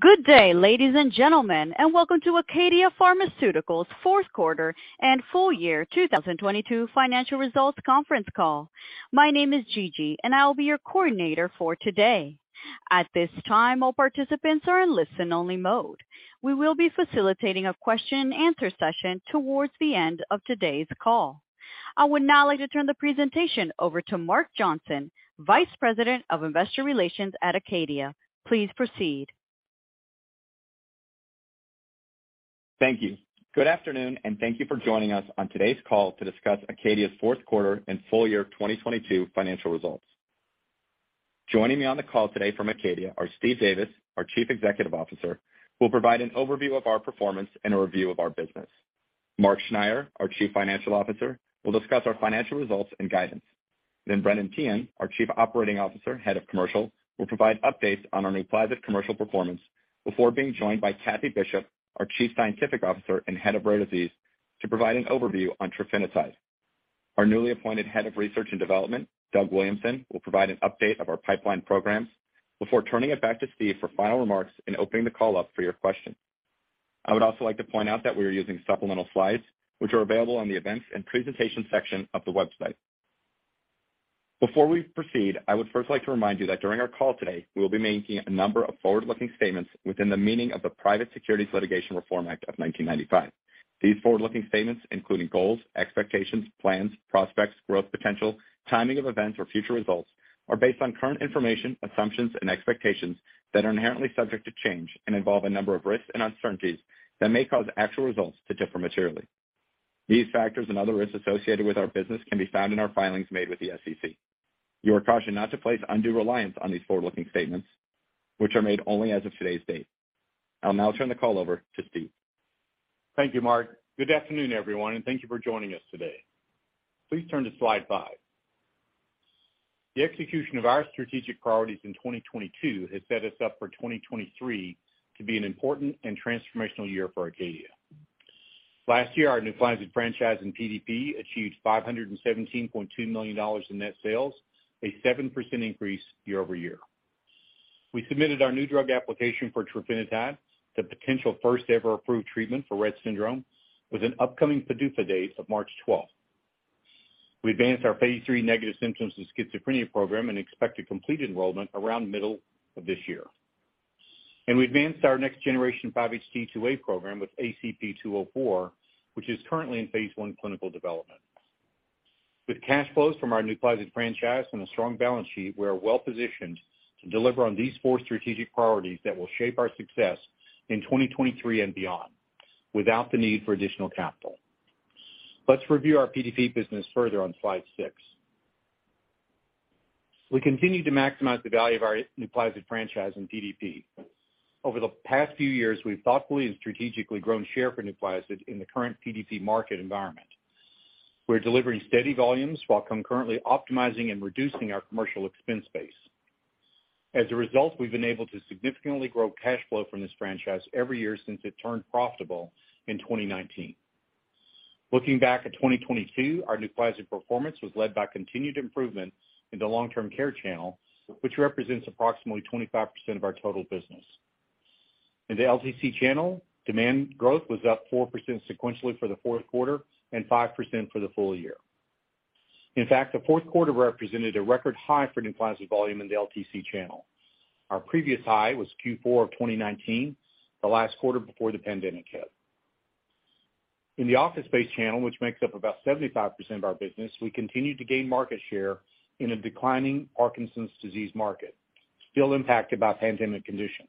Good day, ladies and gentlemen, and welcome to Acadia Pharmaceuticals' fourth quarter and full year 2022 financial results conference call. My name is Gigi, and I'll be your coordinator for today. At this time, all participants are in listen-only mode. We will be facilitating a question-and-answer session towards the end of today's call. I would now like to turn the presentation over to Mark Johnson, Vice President of Investor Relations at Acadia. Please proceed. Thank you. Good afternoon, and thank you for joining us on today's call to discuss Acadia's fourth quarter and full year 2022 financial results. Joining me on the call today from Acadia are Steve Davis, our Chief Executive Officer, who will provide an overview of our performance and a review of our business. Mark Schneyer, our Chief Financial Officer, will discuss our financial results and guidance. Brendan Teehan, our Chief Operating Officer, Head of Commercial, will provide updates on our NUPLAZID commercial performance before being joined by Kathie Bishop, our Chief Scientific Officer and Head of Rare Disease, to provide an overview on trofinetide. Our newly appointed Head of Research and Development, Doug Williamson, will provide an update of our pipeline programs before turning it back to Steve for final remarks and opening the call up for your questions. I would also like to point out that we are using supplemental slides, which are available on the Events and Presentation section of the website. Before we proceed, I would first like to remind you that during our call today, we will be making a number of forward-looking statements within the meaning of the Private Securities Litigation Reform Act of 1995. These forward-looking statements including goals, expectations, plans, prospects, growth potential, timing of events or future results are based on current information, assumptions and expectations that are inherently subject to change and involve a number of risks and uncertainties that may cause actual results to differ materially. These factors and other risks associated with our business can be found in our filings made with the SEC. You are cautioned not to place undue reliance on these forward-looking statements, which are made only as of today's date. I'll now turn the call over to Steve. Thank you, Mark. Good afternoon, everyone, and thank you for joining us today. Please turn to slide 5. The execution of our strategic priorities in 2022 has set us up for 2023 to be an important and transformational year for Acadia. Last year, our NUPLAZID franchise in PDP achieved $517.2 million in net sales, a 7% increase year-over-year. We submitted our new drug application for trofinetide, the potential first ever approved treatment for Rett syndrome, with an upcoming PDUFA date of March 12th. We advanced our phase III negative symptoms of schizophrenia program and expect to complete enrollment around middle of this year. We advanced our next generation 5-HT2A program with ACP-204, which is currently in phase I clinical development. With cash flows from our NUPLAZID franchise and a strong balance sheet, we are well-positioned to deliver on these four strategic priorities that will shape our success in 2023 and beyond without the need for additional capital. Let's review our PDP business further on slide 6. We continue to maximize the value of our NUPLAZID franchise in PDP. Over the past few years, we've thoughtfully and strategically grown share for NUPLAZID in the current PDP market environment. We're delivering steady volumes while concurrently optimizing and reducing our commercial expense base. As a result, we've been able to significantly grow cash flow from this franchise every year since it turned profitable in 2019. Looking back at 2022, our NUPLAZID performance was led by continued improvements in the long-term care channel, which represents approximately 25% of our total business. In the LTC channel, demand growth was up 4% sequentially for the fourth quarter and 5% for the full year. In fact, the fourth quarter represented a record high for NUPLAZID volume in the LTC channel. Our previous high was Q4 of 2019, the last quarter before the pandemic hit. In the office-based channel, which makes up about 75% of our business, we continued to gain market share in a declining Parkinson's disease market, still impacted by pandemic conditions.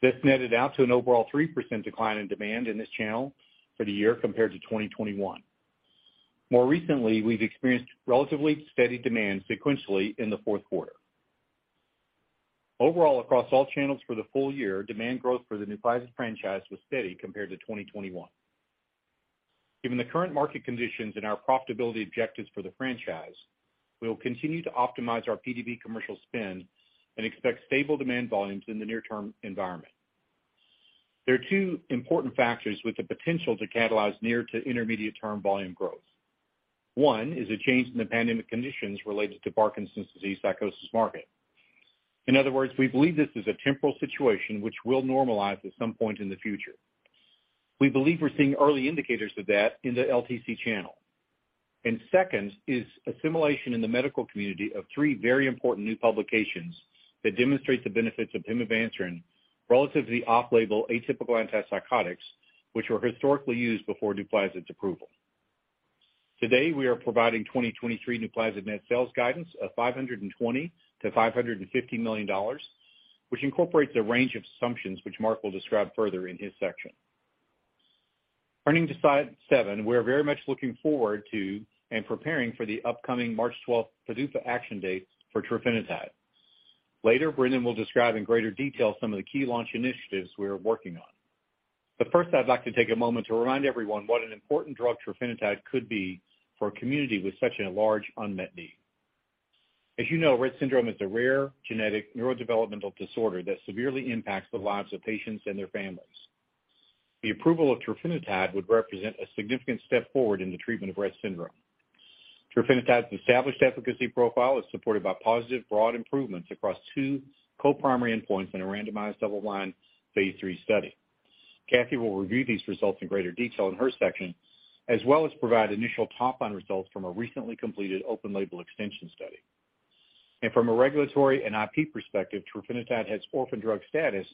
This netted out to an overall 3% decline in demand in this channel for the year compared to 2021. More recently, we've experienced relatively steady demand sequentially in the fourth quarter. Overall, across all channels for the full year, demand growth for the NUPLAZID franchise was steady compared to 2021. Given the current market conditions and our profitability objectives for the franchise, we will continue to optimize our PDP commercial spend and expect stable demand volumes in the near-term environment. There are two important factors with the potential to catalyze near to intermediate-term volume growth. One is a change in the pandemic conditions related to Parkinson's disease psychosis market. In other words, we believe this is a temporal situation which will normalize at some point in the future. We believe we're seeing early indicators of that in the LTC channel. Second is assimilation in the medical community of three very important new publications that demonstrate the benefits of pimavanserin relative to the off-label atypical antipsychotics, which were historically used before NUPLAZID's approval. Today, we are providing 2023 NUPLAZID net sales guidance of $520 million-$550 million, which incorporates a range of assumptions which Mark will describe further in his section. Turning to slide 7, we are very much looking forward to and preparing for the upcoming March 12th PDUFA action date for trofinetide. Later, Brendan will describe in greater detail some of the key launch initiatives we are working on. First, I'd like to take a moment to remind everyone what an important drug trofinetide could be for a community with such a large unmet need. As you know, Rett syndrome is a rare genetic neurodevelopmental disorder that severely impacts the lives of patients and their families. The approval of trofinetide would represent a significant step forward in the treatment of Rett syndrome. Trofinetide's established efficacy profile is supported by positive broad improvements across two co-primary endpoints in a randomized double-blind phase III study. Kathie will review these results in greater detail in her section, as well as provide initial top-line results from a recently completed open-label extension study. From a regulatory and IP perspective, trofinetide has orphan drug status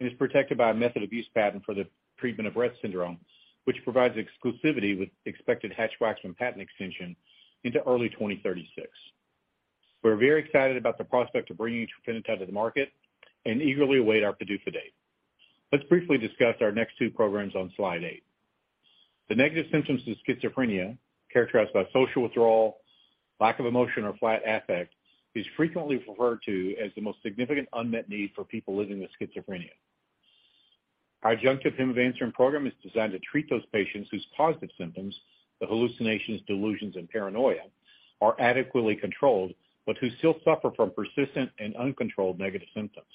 and is protected by a method of use patent for the treatment of Rett syndrome, which provides exclusivity with expected Hatch-Waxman from patent extension into early 2036. We're very excited about the prospect of bringing trofinetide to the market and eagerly await our PDUFA date. Let's briefly discuss our next two programs on slide 8. The negative symptoms of schizophrenia, characterized by social withdrawal, lack of emotion or flat affect, is frequently referred to as the most significant unmet need for people living with schizophrenia. Our adjunctive pimavanserin program is designed to treat those patients whose positive symptoms, the hallucinations, delusions, and paranoia, are adequately controlled, but who still suffer from persistent and uncontrolled negative symptoms.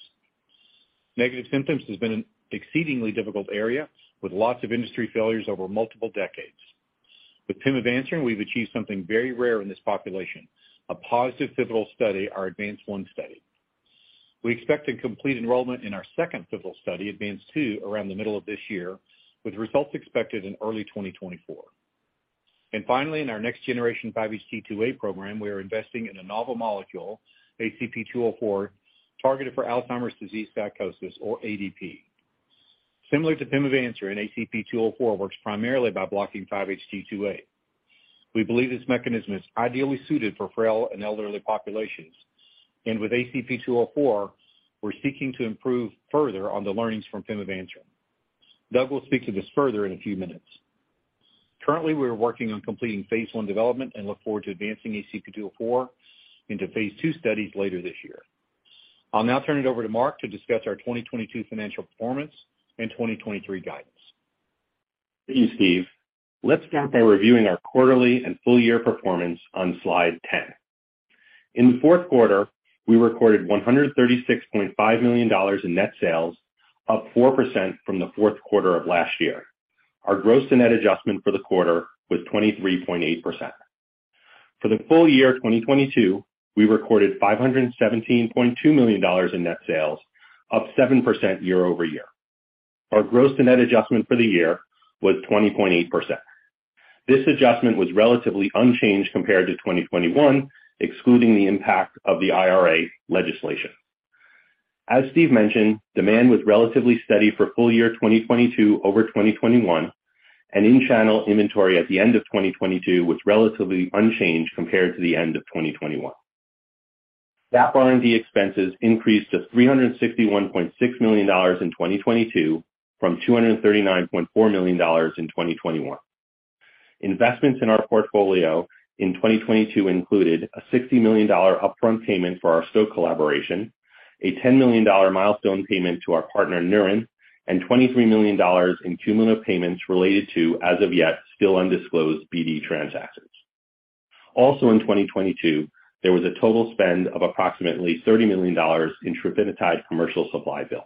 Negative symptoms has been an exceedingly difficult area with lots of industry failures over multiple decades. With pimavanserin, we've achieved something very rare in this population, a positive pivotal study, our ADVANCE-1 study. We expect to complete enrollment in our second pivotal study, ADVANCE-2, around the middle of this year, with results expected in early 2024. Finally, in our next generation 5-HT2A program, we are investing in a novel molecule, ACP-204, targeted for Alzheimer's disease psychosis or ADP. Similar to pimavanserin, ACP-204 works primarily by blocking 5-HT2A. We believe this mechanism is ideally suited for frail and elderly populations. With ACP-204, we're seeking to improve further on the learnings from pimavanserin. Doug will speak to this further in a few minutes. Currently, we are working on completing phase I development and look forward to advancing ACP-204 into phase II studies later this year. I'll now turn it over to Mark to discuss our 2022 financial performance and 2023 guidance. Thank you, Steve. Let's start by reviewing our quarterly and full year performance on slide 10. In the fourth quarter, we recorded $136.5 million in net sales, up 4% from the fourth quarter of last year. Our gross to net adjustment for the quarter was 23.8%. For the full year 2022, we recorded $517.2 million in net sales, up 7% year-over-year. Our gross to net adjustment for the year was 20.8%. This adjustment was relatively unchanged compared to 2021, excluding the impact of the IRA legislation. As Steve mentioned, demand was relatively steady for full year 2022 over 2021, and in-channel inventory at the end of 2022 was relatively unchanged compared to the end of 2021. GAAP R&D expenses increased to $361.6 million in 2022 from $239.4 million in 2021. Investments in our portfolio in 2022 included a $60 million upfront payment for our Stoke collaboration, a $10 million milestone payment to our partner Neuren, and $23 million in cumulative payments related to as of yet still undisclosed BD transactions. Also in 2022, there was a total spend of approximately $30 million in trofinetide commercial supply build.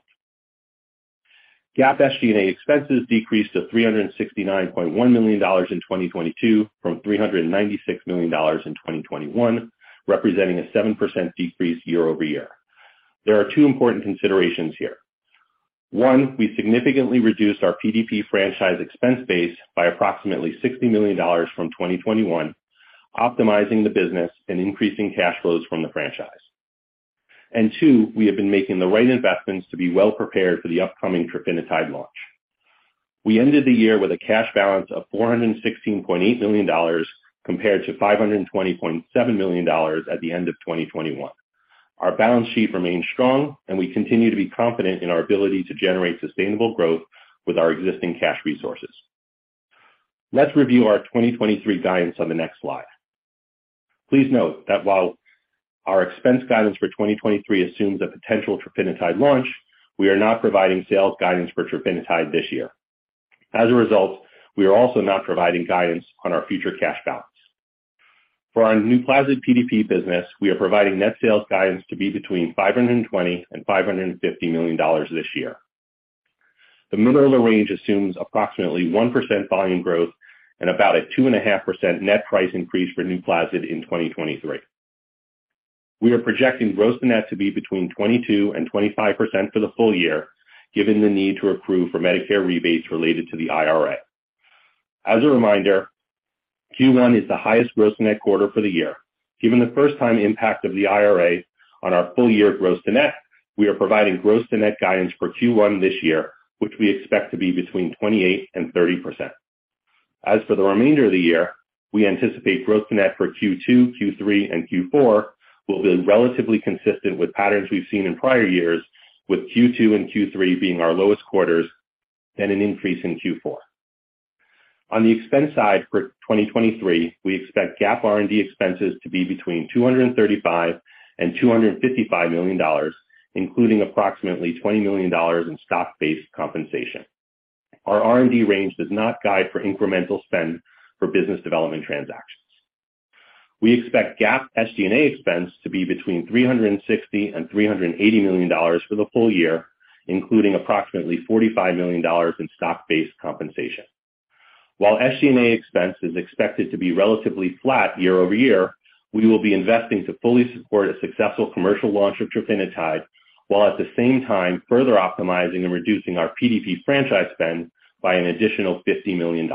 GAAP SG&A expenses decreased to $369.1 million in 2022 from $396 million in 2021, representing a 7% decrease year-over-year. There are two important considerations here. One, we significantly reduced our PDP franchise expense base by approximately $60 million from 2021, optimizing the business and increasing cash flows from the franchise. Two, we have been making the right investments to be well prepared for the upcoming trofinetide launch. We ended the year with a cash balance of $416.8 million, compared to $520.7 million at the end of 2021. Our balance sheet remains strong, and we continue to be confident in our ability to generate sustainable growth with our existing cash resources. Let's review our 2023 guidance on the next slide. Please note that while our expense guidance for 2023 assumes a potential trofinetide launch, we are not providing sales guidance for trofinetide this year. As a result, we are also not providing guidance on our future cash balance. For our NUPLAZID PDP business, we are providing net sales guidance to be between $520 million and $550 million this year. The middle of the range assumes approximately 1% volume growth and about a 2.5% net price increase for NUPLAZID in 2023. We are projecting gross to net to be between 22%-25% for the full year, given the need to accrue for Medicare rebates related to the IRA. As a reminder, Q1 is the highest gross net quarter for the year. Given the first time impact of the IRA on our full year gross to net, we are providing gross to net guidance for Q1 this year, which we expect to be between 28%-30%. As for the remainder of the year, we anticipate gross net for Q2, Q3, and Q4 will be relatively consistent with patterns we've seen in prior years, with Q2 and Q3 being our lowest quarters and an increase in Q4. On the expense side for 2023, we expect GAAP R&D expenses to be between $235 million and $255 million, including approximately $20 million in stock-based compensation. Our R&D range does not guide for incremental spend for business development transactions. We expect GAAP SG&A expense to be between $360 million and $380 million for the full year, including approximately $45 million in stock-based compensation. While SG&A expense is expected to be relatively flat year-over-year, we will be investing to fully support a successful commercial launch of trofinetide, while at the same time further optimizing and reducing our PDP franchise spend by an additional $50 million.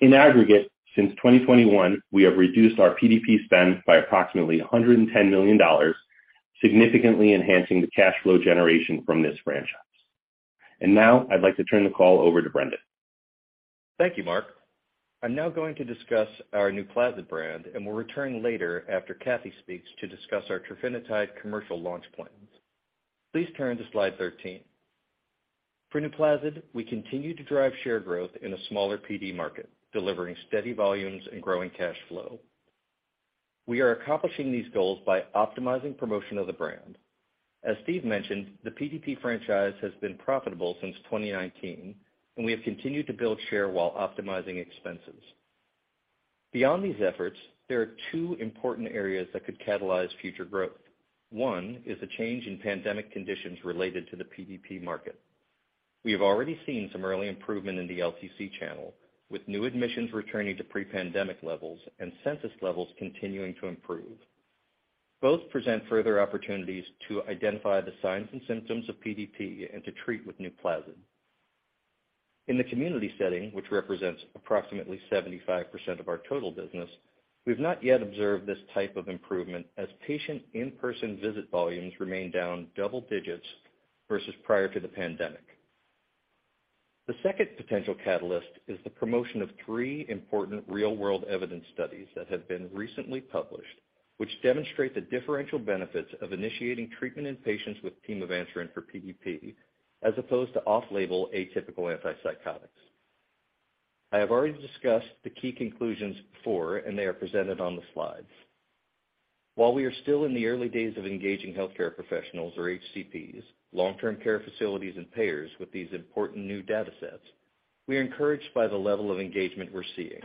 In aggregate, since 2021, we have reduced our PDP spend by approximately $110 million, significantly enhancing the cash flow generation from this franchise. Now I'd like to turn the call over to Brendan. Thank you, Mark. I'm now going to discuss our NUPLAZID brand, and we'll return later after Kathie speaks to discuss our trofinetide commercial launch plans. Please turn to slide 13. For NUPLAZID, we continue to drive share growth in a smaller PD market, delivering steady volumes and growing cash flow. We are accomplishing these goals by optimizing promotion of the brand. As Steve mentioned, the PDP franchise has been profitable since 2019, and we have continued to build share while optimizing expenses. Beyond these efforts, there are two important areas that could catalyze future growth. One is the change in pandemic conditions related to the PDP market. We have already seen some early improvement in the LTC channel, with new admissions returning to pre-pandemic levels and census levels continuing to improve. Both present further opportunities to identify the signs and symptoms of PDP and to treat with NUPLAZID. In the community setting, which represents approximately 75% of our total business, we've not yet observed this type of improvement as patient in-person visit volumes remain down double digits versus prior to the pandemic. The second potential catalyst is the promotion of three important real-world evidence studies that have been recently published, which demonstrate the differential benefits of initiating treatment in patients with pimavanserin for PDP, as opposed to off-label atypical antipsychotics. I have already discussed the key conclusions before, and they are presented on the slides. While we are still in the early days of engaging Health Care Professionals or HCPs, long-term care facilities and payers with these important new datasets, we are encouraged by the level of engagement we're seeing.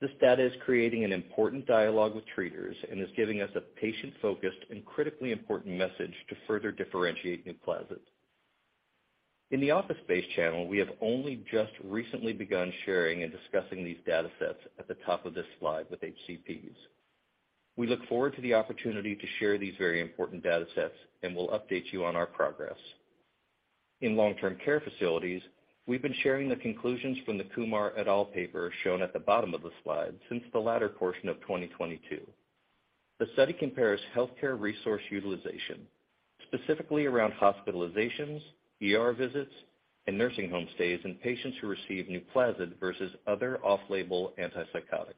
This data is creating an important dialogue with treaters and is giving us a patient-focused and critically important message to further differentiate NUPLAZID. In the office-based channel, we have only just recently begun sharing and discussing these datasets at the top of this slide with HCPs. We look forward to the opportunity to share these very important datasets, we'll update you on our progress. In long-term care facilities, we've been sharing the conclusions from the Kumar et al. paper shown at the bottom of the slide since the latter portion of 2022. The study compares healthcare resource utilization, specifically around hospitalizations, ER visits, and nursing home stays in patients who receive NUPLAZID versus other off-label antipsychotics.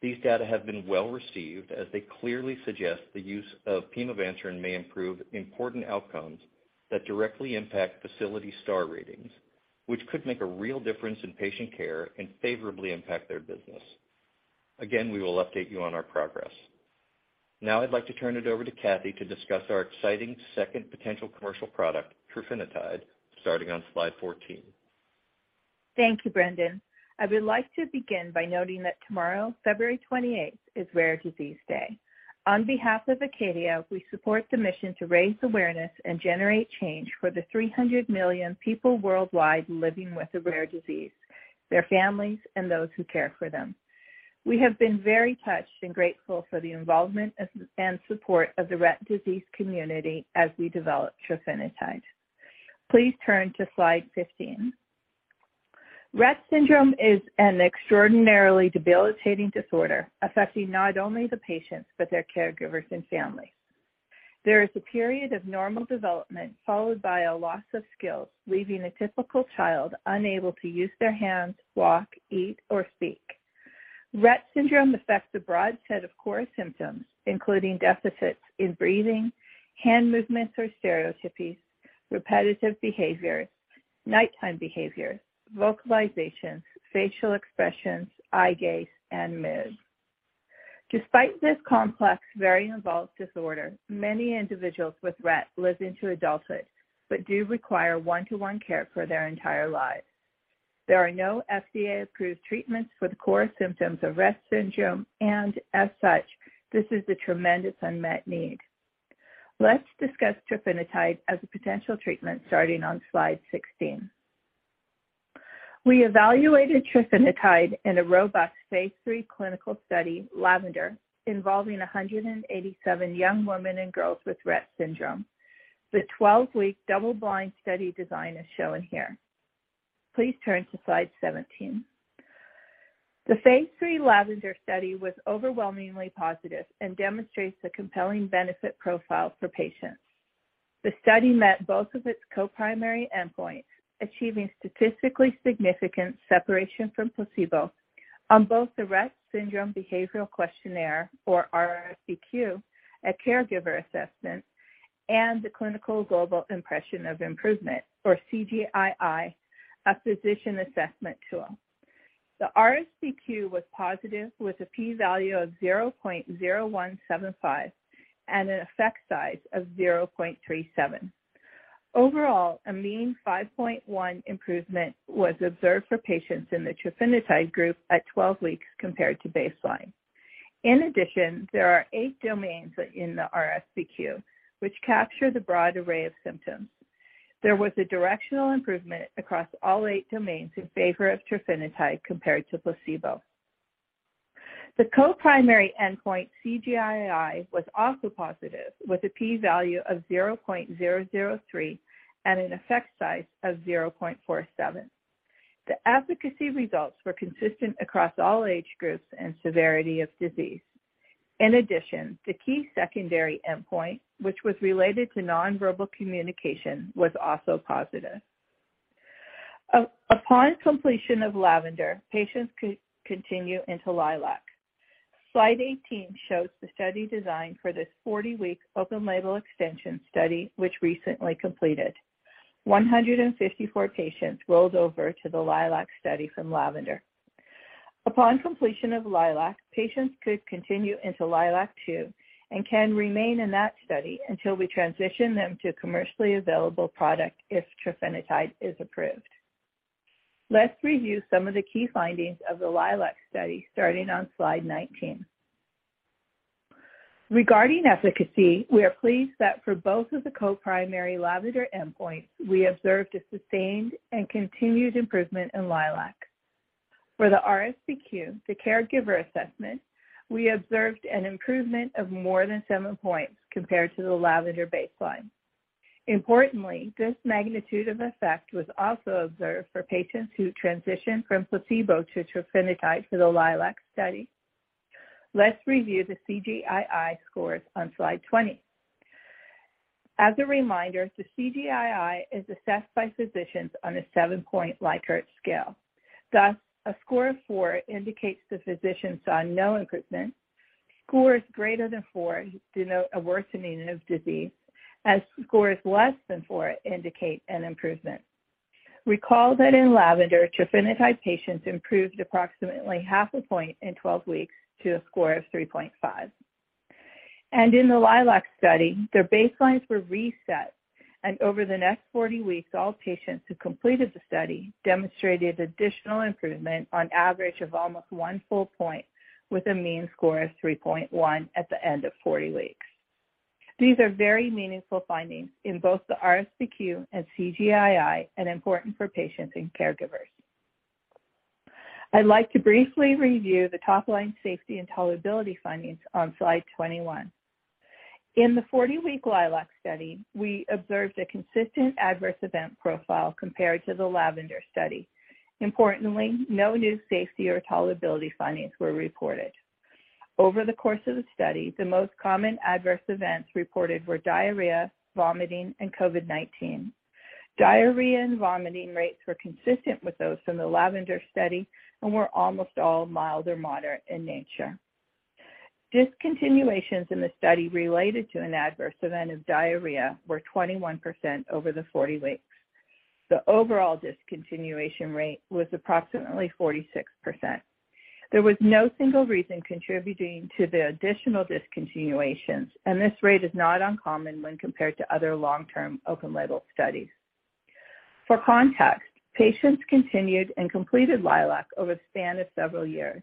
These data have been well-received as they clearly suggest the use of pimavanserin may improve important outcomes that directly impact facility star ratings, which could make a real difference in patient care and favorably impact their business. Again, we will update you on our progress. I'd like to turn it over to Kathie to discuss our exciting second potential commercial product, trofinetide, starting on slide 14. Thank you, Brendan. I would like to begin by noting that tomorrow, February 28th, is Rare Disease Day. On behalf of Acadia, we support the mission to raise awareness and generate change for the 300 million people worldwide living with a rare disease, their families, and those who care for them. We have been very touched and grateful for the involvement and support of the Rett syndrome community as we develop trofinetide. Please turn to slide 15. Rett syndrome is an extraordinarily debilitating disorder affecting not only the patients, but their caregivers and families. There is a period of normal development followed by a loss of skills, leaving a typical child unable to use their hands, walk, eat, or speak. Rett syndrome affects a broad set of core symptoms, including deficits in breathing, hand movements or stereotypies, repetitive behaviors, nighttime behaviors, vocalizations, facial expressions, eye gaze, and mood. Despite this complex, very involved disorder, many individuals with Rett live into adulthood but do require one-to-one care for their entire lives. There are no FDA-approved treatments for the core symptoms of Rett syndrome. As such, this is a tremendous unmet need. Let's discuss trofinetide as a potential treatment starting on slide 16. We evaluated trofinetide in a robust phase III clinical study, LAVENDER, involving 187 young women and girls with Rett syndrome. The 12-week double-blind study design is shown here. Please turn to slide 17. The phase III LAVENDER study was overwhelmingly positive and demonstrates a compelling benefit profile for patients. The study met both of its co-primary endpoints, achieving statistically significant separation from placebo on both the Rett Syndrome Behaviour Questionnaire, or RSBQ, a caregiver assessment, and the Clinical Global Impression of Improvement, or CGI-I, a physician assessment tool. The RSBQ was positive with a p-value of 0.0175 and an effect size of 0.37. Overall, a mean 5.1 improvement was observed for patients in the trofinetide group at 12 weeks compared to baseline. There are eight domains in the RSBQ which capture the broad array of symptoms. There was a directional improvement across all eight domains in favor of trofinetide compared to placebo. The co-primary endpoint CGI-I was also positive, with a p-value of 0.003 and an effect size of 0.47. The efficacy results were consistent across all age groups and severity of disease. The key secondary endpoint, which was related to non-verbal communication, was also positive. Upon completion of LAVENDER, patients could continue into LILAC. Slide 18 shows the study design for this 40-week open-label extension study which recently completed. 154 patients rolled over to the LILAC study from LAVENDER. Upon completion of LILAC, patients could continue into LILAC-2 and can remain in that study until we transition them to commercially available product if trofinetide is approved. Let's review some of the key findings of the LILAC study starting on slide 19. Regarding efficacy, we are pleased that for both of the co-primary LAVENDER endpoints, we observed a sustained and continued improvement in LILAC. For the RSBQ, the caregiver assessment, we observed an improvement of more than 7 points compared to the LAVENDER baseline. Importantly, this magnitude of effect was also observed for patients who transitioned from placebo to trofinetide to the LILAC study. Let's review the CGI-I scores on slide 20. As a reminder, the CGI-I is assessed by physicians on a 7-point Likert scale. Thus, a score of 4 indicates the physicians saw no improvement. Scores greater than 4 denote a worsening of disease, as scores less than 4 indicate an improvement. Recall that in LAVENDER, trofinetide patients improved approximately 0.5 point in 12 weeks to a score of 3.5. In the LILAC study, their baselines were reset, and over the next 40 weeks, all patients who completed the study demonstrated additional improvement on average of almost 1 full point with a mean score of 3.1 at the end of 40 weeks. These are very meaningful findings in both the RSBQ and CGI-I and important for patients and caregivers. I'd like to briefly review the top-line safety and tolerability findings on slide 21. In the 40-week LILAC study, we observed a consistent adverse event profile compared to the LAVENDER study. Importantly, no new safety or tolerability findings were reported. Over the course of the study, the most common adverse events reported were diarrhea, vomiting, and COVID-19. Diarrhea and vomiting rates were consistent with those from the LAVENDER study and were almost all mild or moderate in nature. Discontinuations in the study related to an adverse event of diarrhea were 21% over the 40 weeks. The overall discontinuation rate was approximately 46%. There was no single reason contributing to the additional discontinuations, and this rate is not uncommon when compared to other long-term open-label studies. For context, patients continued and completed LILAC over the span of several years.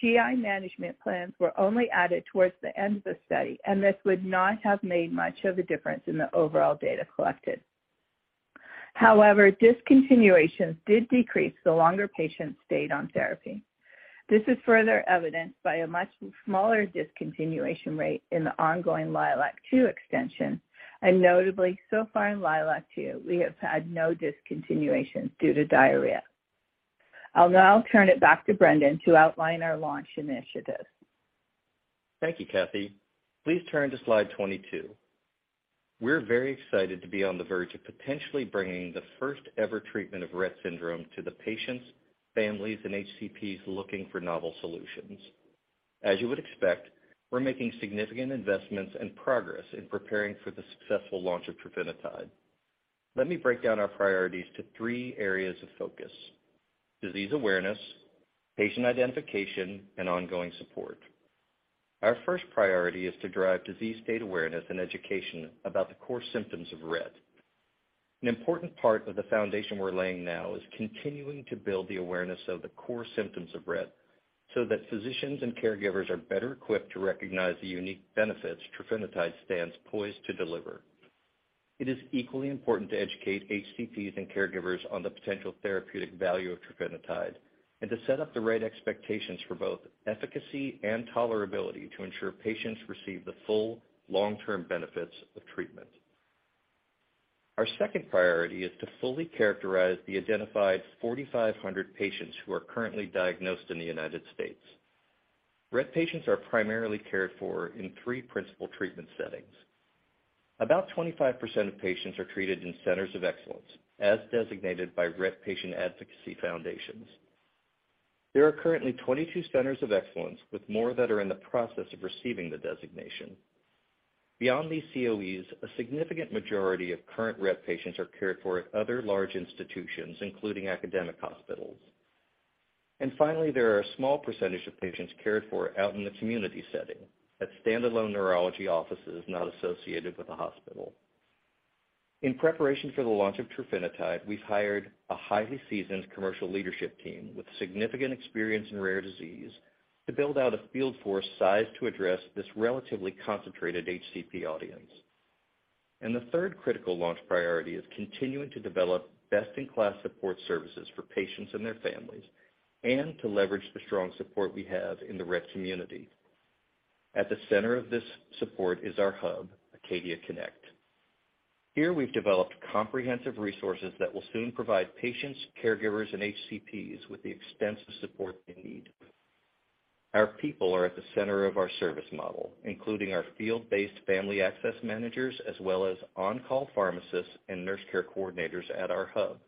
GI management plans were only added towards the end of the study, and this would not have made much of a difference in the overall data collected. However, discontinuations did decrease the longer patients stayed on therapy. This is further evidenced by a much smaller discontinuation rate in the ongoing LILAC-2 extension, and notably, so far in LILAC-2, we have had no discontinuations due to diarrhea. I'll now turn it back to Brendan to outline our launch initiatives. Thank you, Kathie. Please turn to slide 22. We're very excited to be on the verge of potentially bringing the first-ever treatment of Rett syndrome to the patients, families, and HCPs looking for novel solutions. As you would expect, we're making significant investments and progress in preparing for the successful launch of trofinetide. Let me break down our priorities to three areas of focus: disease awareness, patient identification, and ongoing support. Our first priority is to drive disease state awareness and education about the core symptoms of Rett. An important part of the foundation we're laying now is continuing to build the awareness of the core symptoms of Rett, so that physicians and caregivers are better equipped to recognize the unique benefits trofinetide stands poised to deliver. It is equally important to educate HCPs and caregivers on the potential therapeutic value of trofinetide and to set up the right expectations for both efficacy and tolerability to ensure patients receive the full long-term benefits of treatment. Our second priority is to fully characterize the identified 4,500 patients who are currently diagnosed in the United States. Rett patients are primarily cared for in three principal treatment settings. About 25% of patients are treated in Centers of Excellence as designated by Rett patient advocacy foundations. There are currently 22 Centers of Excellence, with more that are in the process of receiving the designation. Beyond these COEs, a significant majority of current Rett patients are cared for at other large institutions, including academic hospitals. Finally, there are a small percentage of patients cared for out in the community setting at standalone neurology offices not associated with a hospital. In preparation for the launch of trofinetide, we've hired a highly seasoned commercial leadership team with significant experience in rare disease to build out a field force sized to address this relatively concentrated HCP audience. The third critical launch priority is continuing to develop best-in-class support services for patients and their families and to leverage the strong support we have in the Rett community. At the center of this support is our hub, Acadia Connect. Here we've developed comprehensive resources that will soon provide patients, caregivers, and HCPs with the extensive support they need. Our people are at the center of our service model, including our field-based family access managers as well as on-call pharmacists and nurse care coordinators at our hub.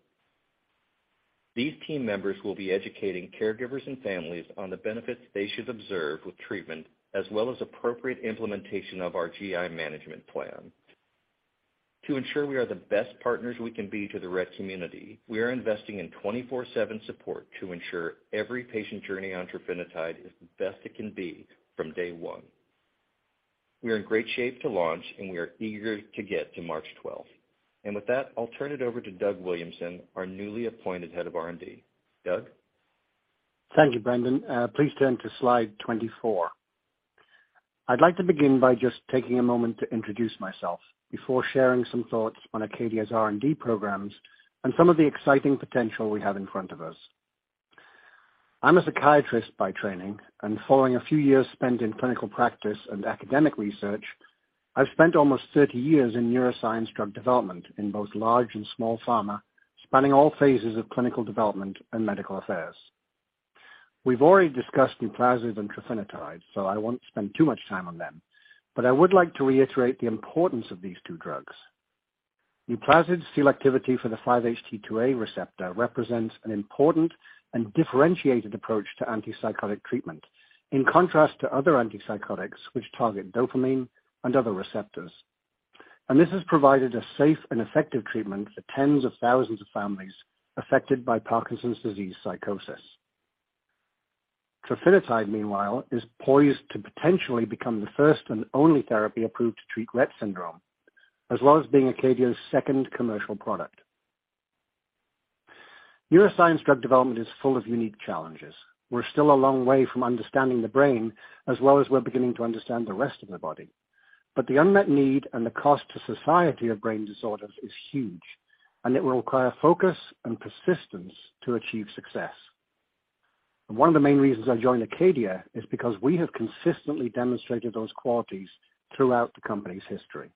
These team members will be educating caregivers and families on the benefits they should observe with treatment, as well as appropriate implementation of our GI management plan. To ensure we are the best partners we can be to the Rett community, we are investing in 24/7 support to ensure every patient journey on trofinetide is the best it can be from day one. We are in great shape to launch, and we are eager to get to March 12th. With that, I'll turn it over to Doug Williamson, our newly appointed Head of R&D. Doug? Thank you, Brendan. Please turn to slide 24. I'd like to begin by just taking a moment to introduce myself before sharing some thoughts on Acadia's R&D programs and some of the exciting potential we have in front of us. I'm a psychiatrist by training, and following a few years spent in clinical practice and academic research, I've spent almost 30 years in neuroscience drug development in both large and small pharma, spanning all phases of clinical development and medical affairs. We've already discussed NUPLAZID and trofinetide, so I won't spend too much time on them, but I would like to reiterate the importance of these two drugs. NUPLAZID's selectivity for the 5-HT2A receptor represents an important and differentiated approach to antipsychotic treatment, in contrast to other antipsychotics which target dopamine and other receptors. This has provided a safe and effective treatment for tens of thousands of families affected by Parkinson's disease psychosis. Trofinetide, meanwhile, is poised to potentially become the first and only therapy approved to treat Rett syndrome, as well as being Acadia's second commercial product. Neuroscience drug development is full of unique challenges. We're still a long way from understanding the brain as well as we're beginning to understand the rest of the body. The unmet need and the cost to society of brain disorders is huge, and it will require focus and persistence to achieve success. One of the main reasons I joined Acadia is because we have consistently demonstrated those qualities throughout the company's history.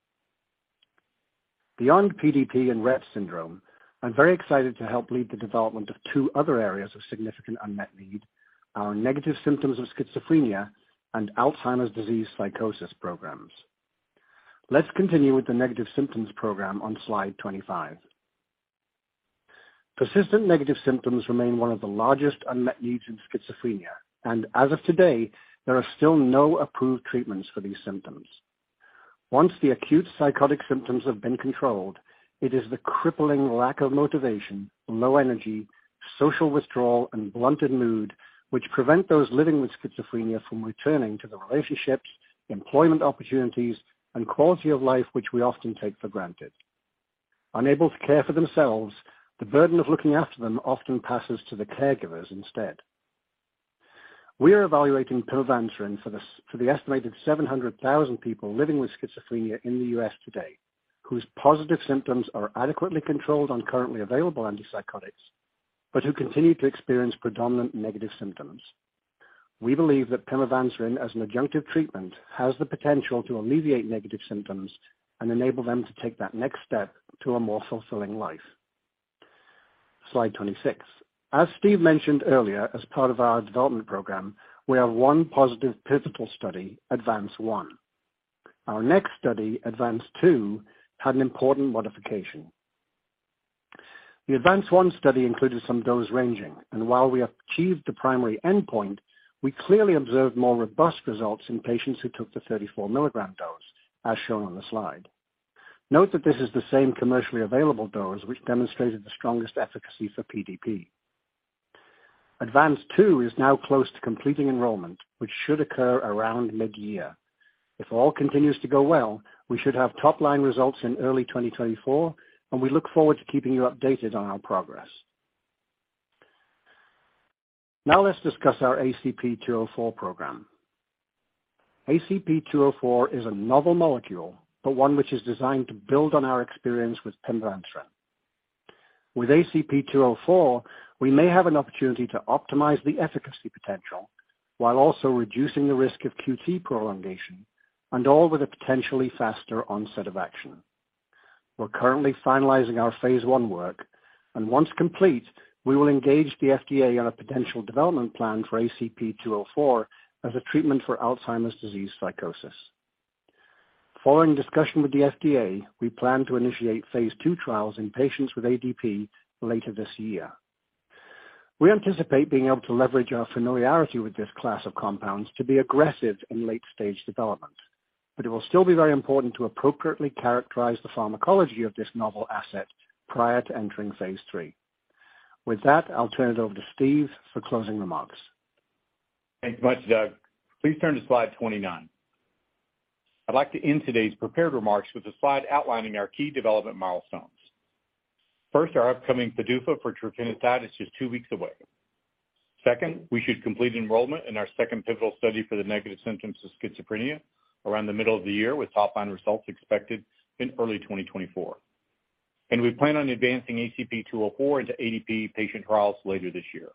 Beyond PDP and Rett syndrome, I'm very excited to help lead the development of two other areas of significant unmet need, our negative symptoms of schizophrenia and Alzheimer's disease psychosis programs. Let's continue with the negative symptoms program on slide 25. Persistent negative symptoms remain one of the largest unmet needs in schizophrenia. As of today, there are still no approved treatments for these symptoms. Once the acute psychotic symptoms have been controlled, it is the crippling lack of motivation, low energy, social withdrawal, and blunted mood which prevent those living with schizophrenia from returning to the relationships, employment opportunities, and quality of life which we often take for granted. Unable to care for themselves, the burden of looking after them often passes to the caregivers instead. We are evaluating pimavanserin for the estimated 700,000 people living with schizophrenia in the U.S. today, whose positive symptoms are adequately controlled on currently available antipsychotics, but who continue to experience predominant negative symptoms. We believe that pimavanserin, as an adjunctive treatment, has the potential to alleviate negative symptoms and enable them to take that next step to a more fulfilling life. Slide 26. As Steve mentioned earlier, as part of our development program, we have one positive pivotal study, ADVANCE-1. Our next study, ADVANCE-2, had an important modification. The ADVANCE-1 study included some dose ranging, and while we achieved the primary endpoint, we clearly observed more robust results in patients who took the 34 mg dose, as shown on the slide. Note that this is the same commercially available dose which demonstrated the strongest efficacy for PDP. ADVANCE-2 is now close to completing enrollment, which should occur around mid-year. If all continues to go well, we should have top-line results in early 2024, and we look forward to keeping you updated on our progress. Let's discuss our ACP-204 program. ACP-204 is a novel molecule, but one which is designed to build on our experience with pimavanserin. With ACP-204, we may have an opportunity to optimize the efficacy potential while also reducing the risk of QT prolongation, and all with a potentially faster onset of action. We're currently finalizing our phase I work, and once complete, we will engage the FDA on a potential development plan for ACP-204 as a treatment for Alzheimer's disease psychosis. Following discussion with the FDA, we plan to initiate phase II trials in patients with ADP later this year. We anticipate being able to leverage our familiarity with this class of compounds to be aggressive in late-stage development. It will still be very important to appropriately characterize the pharmacology of this novel asset prior to entering phase III. With that, I'll turn it over to Steve for closing remarks. Thanks much, Doug. Please turn to slide 29. I'd like to end today's prepared remarks with a slide outlining our key development milestones. First, our upcoming PDUFA for trofinetide is just two weeks away. Second, we should complete enrollment in our second pivotal study for the negative symptoms of schizophrenia around the middle of the year, with top-line results expected in early 2024. We plan on advancing ACP-204 into ADP patient trials later this year.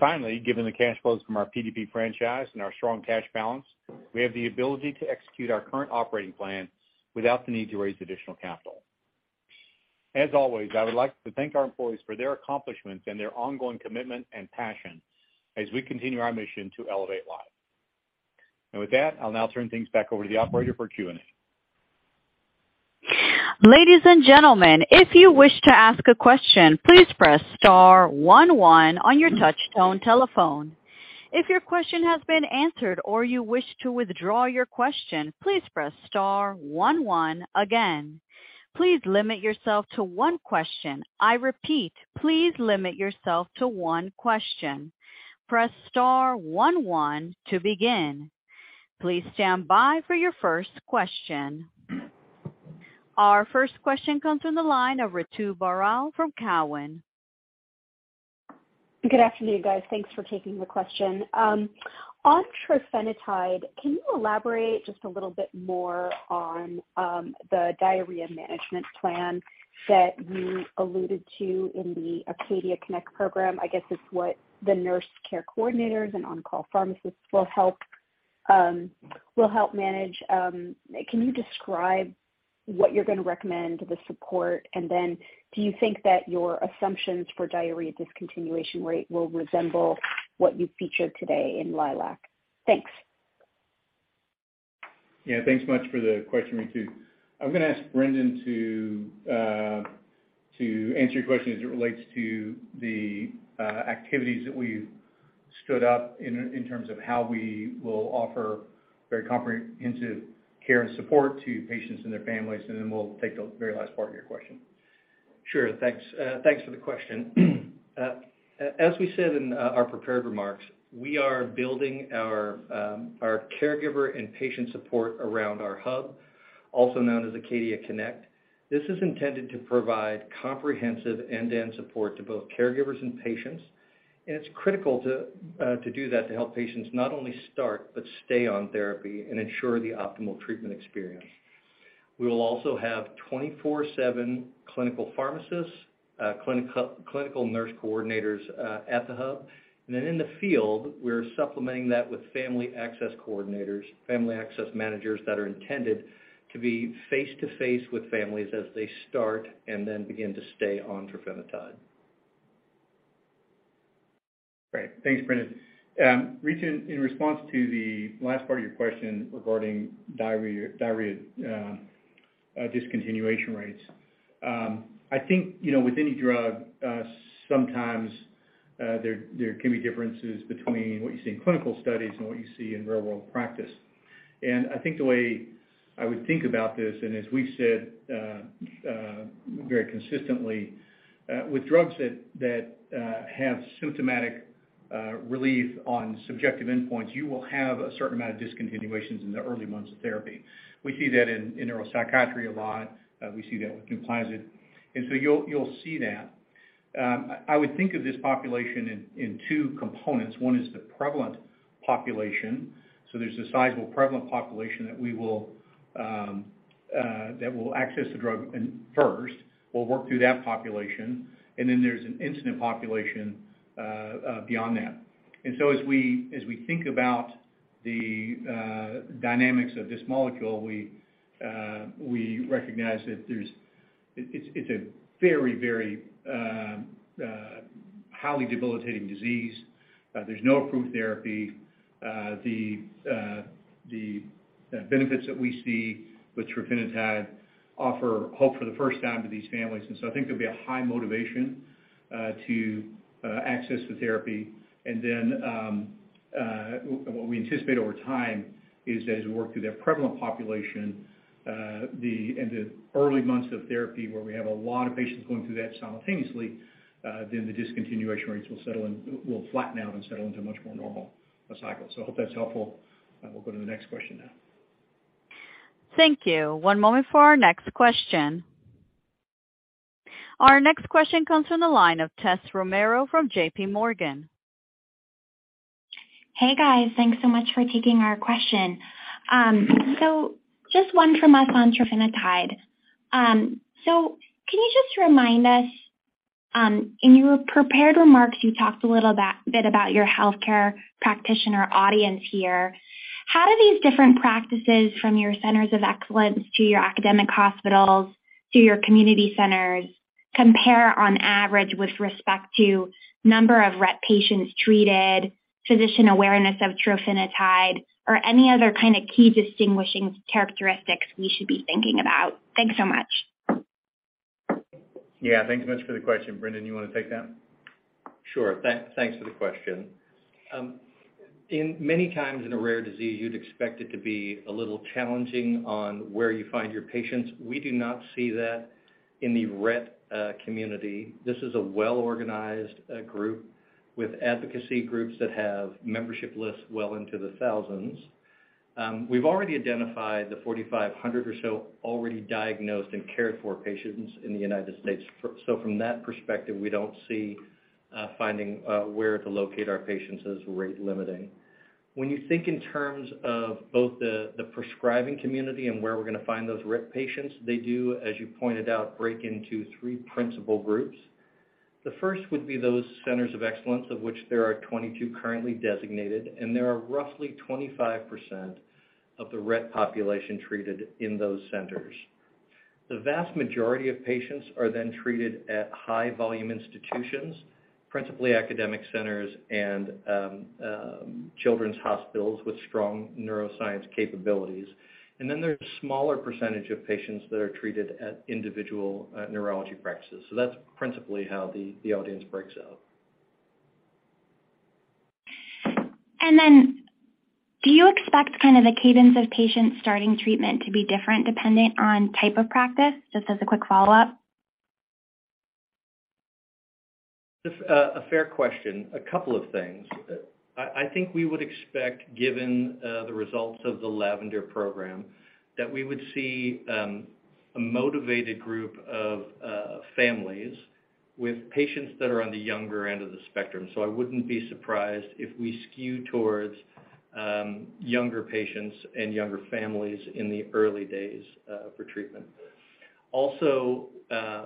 Finally, given the cash flows from our PDP franchise and our strong cash balance, we have the ability to execute our current operating plan without the need to raise additional capital. As always, I would like to thank our employees for their accomplishments and their ongoing commitment and passion as we continue our mission to elevate lives. With that, I'll now turn things back over to the operator for Q&A. Ladies and gentlemen, if you wish to ask a question, please press star one one on your touch tone telephone. If your question has been answered or you wish to withdraw your question, please press star one one again. Please limit yourself to one question. I repeat, please limit yourself to one question. Press star one one to begin. Please stand by for your first question. Our first question comes from the line of Ritu Baral from Cowen. Good afternoon, guys. Thanks for taking the question. On trofinetide, can you elaborate just a little bit more on the diarrhea management plan that you alluded to in the Acadia Connect program? I guess it's what the nurse care coordinators and on-call pharmacists will help manage. Can you describe what you're going to recommend for the support? Do you think that your assumptions for diarrhea discontinuation rate will resemble what you featured today in LILAC? Thanks. Yeah, thanks much for the question, Ritu. I'm going to ask Brendan to answer your question as it relates to the activities that we've stood up in terms of how we will offer very comprehensive care and support to patients and their families. Then we'll take the very last part of your question. Sure. Thanks, thanks for the question. As we said in our prepared remarks, we are building our caregiver and patient support around our hub, also known as Acadia Connect. This is intended to provide comprehensive end-to-end support to both caregivers and patients, and it's critical to do that to help patients not only start but stay on therapy and ensure the optimal treatment experience. We will also have 24/7 clinical pharmacists, clinical nurse coordinators at the hub. In the field, we're supplementing that with family access coordinators, family access managers that are intended to be face to face with families as they start and then begin to stay on trofinetide. Great. Thanks, Brendan. Ritu, in response to the last part of your question regarding diarrhea discontinuation rates. I think, you know, with any drug, sometimes there can be differences between what you see in clinical studies and what you see in real-world practice. I think the way I would think about this, and as we've said, very consistently, with drugs that have symptomatic relief on subjective endpoints, you will have a certain amount of discontinuations in the early months of therapy. We see that in neuropsychiatry a lot. We see that with NUPLAZID. You'll see that. I would think of this population in two components. One is the prevalent population. There's a sizable prevalent population that we will that will access the drug first. We'll work through that population. There's an incident population, beyond that. As we think about the dynamics of this molecule, we recognize that it's a very, very, highly debilitating disease. There's no approved therapy. The benefits that we see with trofinetide offer hope for the first time to these families. I think there'll be a high motivation to access the therapy. What we anticipate over time is that as we work through that prevalent population, in the early months of therapy where we have a lot of patients going through that simultaneously, then the discontinuation rates will flatten out and settle into a much more normal cycle. I hope that's helpful. We'll go to the next question now. Thank you. One moment for our next question. Our next question comes from the line of Tessa Romero from JPMorgan. Hey, guys. Thanks so much for taking our question. Just one from us on trofinetide. Can you just remind us, in your prepared remarks, you talked a bit about your healthcare practitioner audience here. How do these different practices from your centers of excellence to your academic hospitals to your community centers compare on average with respect to number of Rett patients treated, physician awareness of trofinetide, or any other kind of key distinguishing characteristics we should be thinking about? Thanks so much. Yeah. Thanks so much for the question. Brendan, you wanna take that? Sure. Thanks for the question. In many times in a rare disease, you'd expect it to be a little challenging on where you find your patients. We do not see that in the Rett community. This is a well-organized group with advocacy groups that have membership lists well into the thousands. We've already identified the 4,500 or so already diagnosed and cared for patients in the United States. From that perspective, we don't see finding where to locate our patients as rate-limiting. When you think in terms of both the prescribing community and where we're gonna find those Rett patients, they do, as you pointed out, break into three principal groups. The first would be those Centers of Excellence, of which there are 22 currently designated, and there are roughly 25% of the Rett population treated in those centers. The vast majority of patients are then treated at high volume institutions, principally academic centers and children's hospitals with strong neuroscience capabilities. There's a smaller percentage of patients that are treated at individual neurology practices. That's principally how the audience breaks out. Do you expect kind of the cadence of patients starting treatment to be different dependent on type of practice? Just as a quick follow-up. Just a fair question. A couple of things. I think we would expect, given the results of the LAVENDER program, that we would see a motivated group of families with patients that are on the younger end of the spectrum. I wouldn't be surprised if we skew towards younger patients and younger families in the early days for treatment.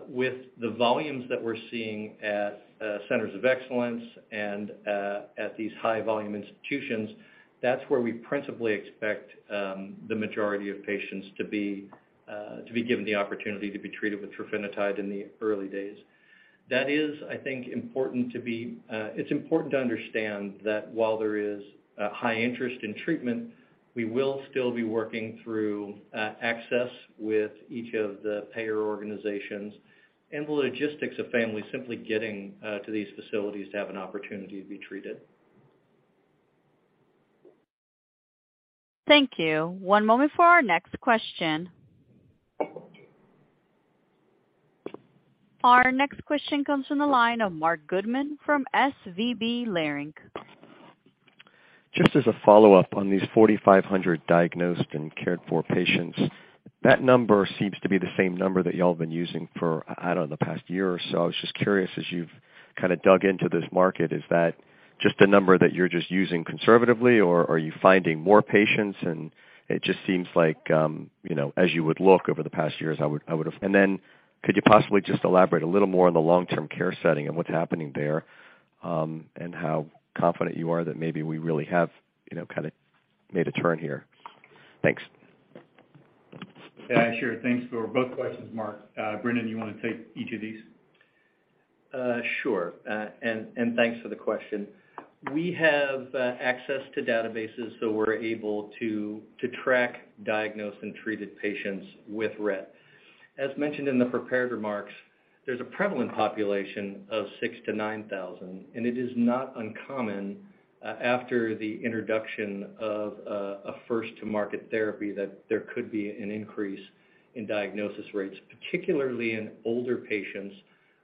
With the volumes that we're seeing at Centers of Excellence and at these high volume institutions, that's where we principally expect the majority of patients to be given the opportunity to be treated with trofinetide in the early days. That is, I think, important to be. It's important to understand that while there is a high interest in treatment, we will still be working through access with each of the payer organizations and the logistics of families simply getting to these facilities to have an opportunity to be treated. Thank you. One moment for our next question. Our next question comes from the line of Marc Goodman from SVB Leerink. Just as a follow-up on these 4,500 diagnosed and cared for patients, that number seems to be the same number that y'all have been using for, I don't know, the past year or so. I was just curious, as you've kinda dug into this market, is that just a number that you're just using conservatively, or are you finding more patients? It just seems like, you know, as you would look over the past years, I would, I would have. Then could you possibly just elaborate a little more on the long-term care setting and what's happening there, and how confident you are that maybe we really have, you know, kinda made a turn here? Thanks. Yeah, sure. Thanks for both questions, Mark. Brendan, you wanna take each of these? Sure. Thanks for the question. We have access to databases, we're able to track diagnosed and treated patients with Rett. As mentioned in the prepared remarks, there's a prevalent population of 6,000-9,000, it is not uncommon after the introduction of a first-to-market therapy that there could be an increase in diagnosis rates, particularly in older patients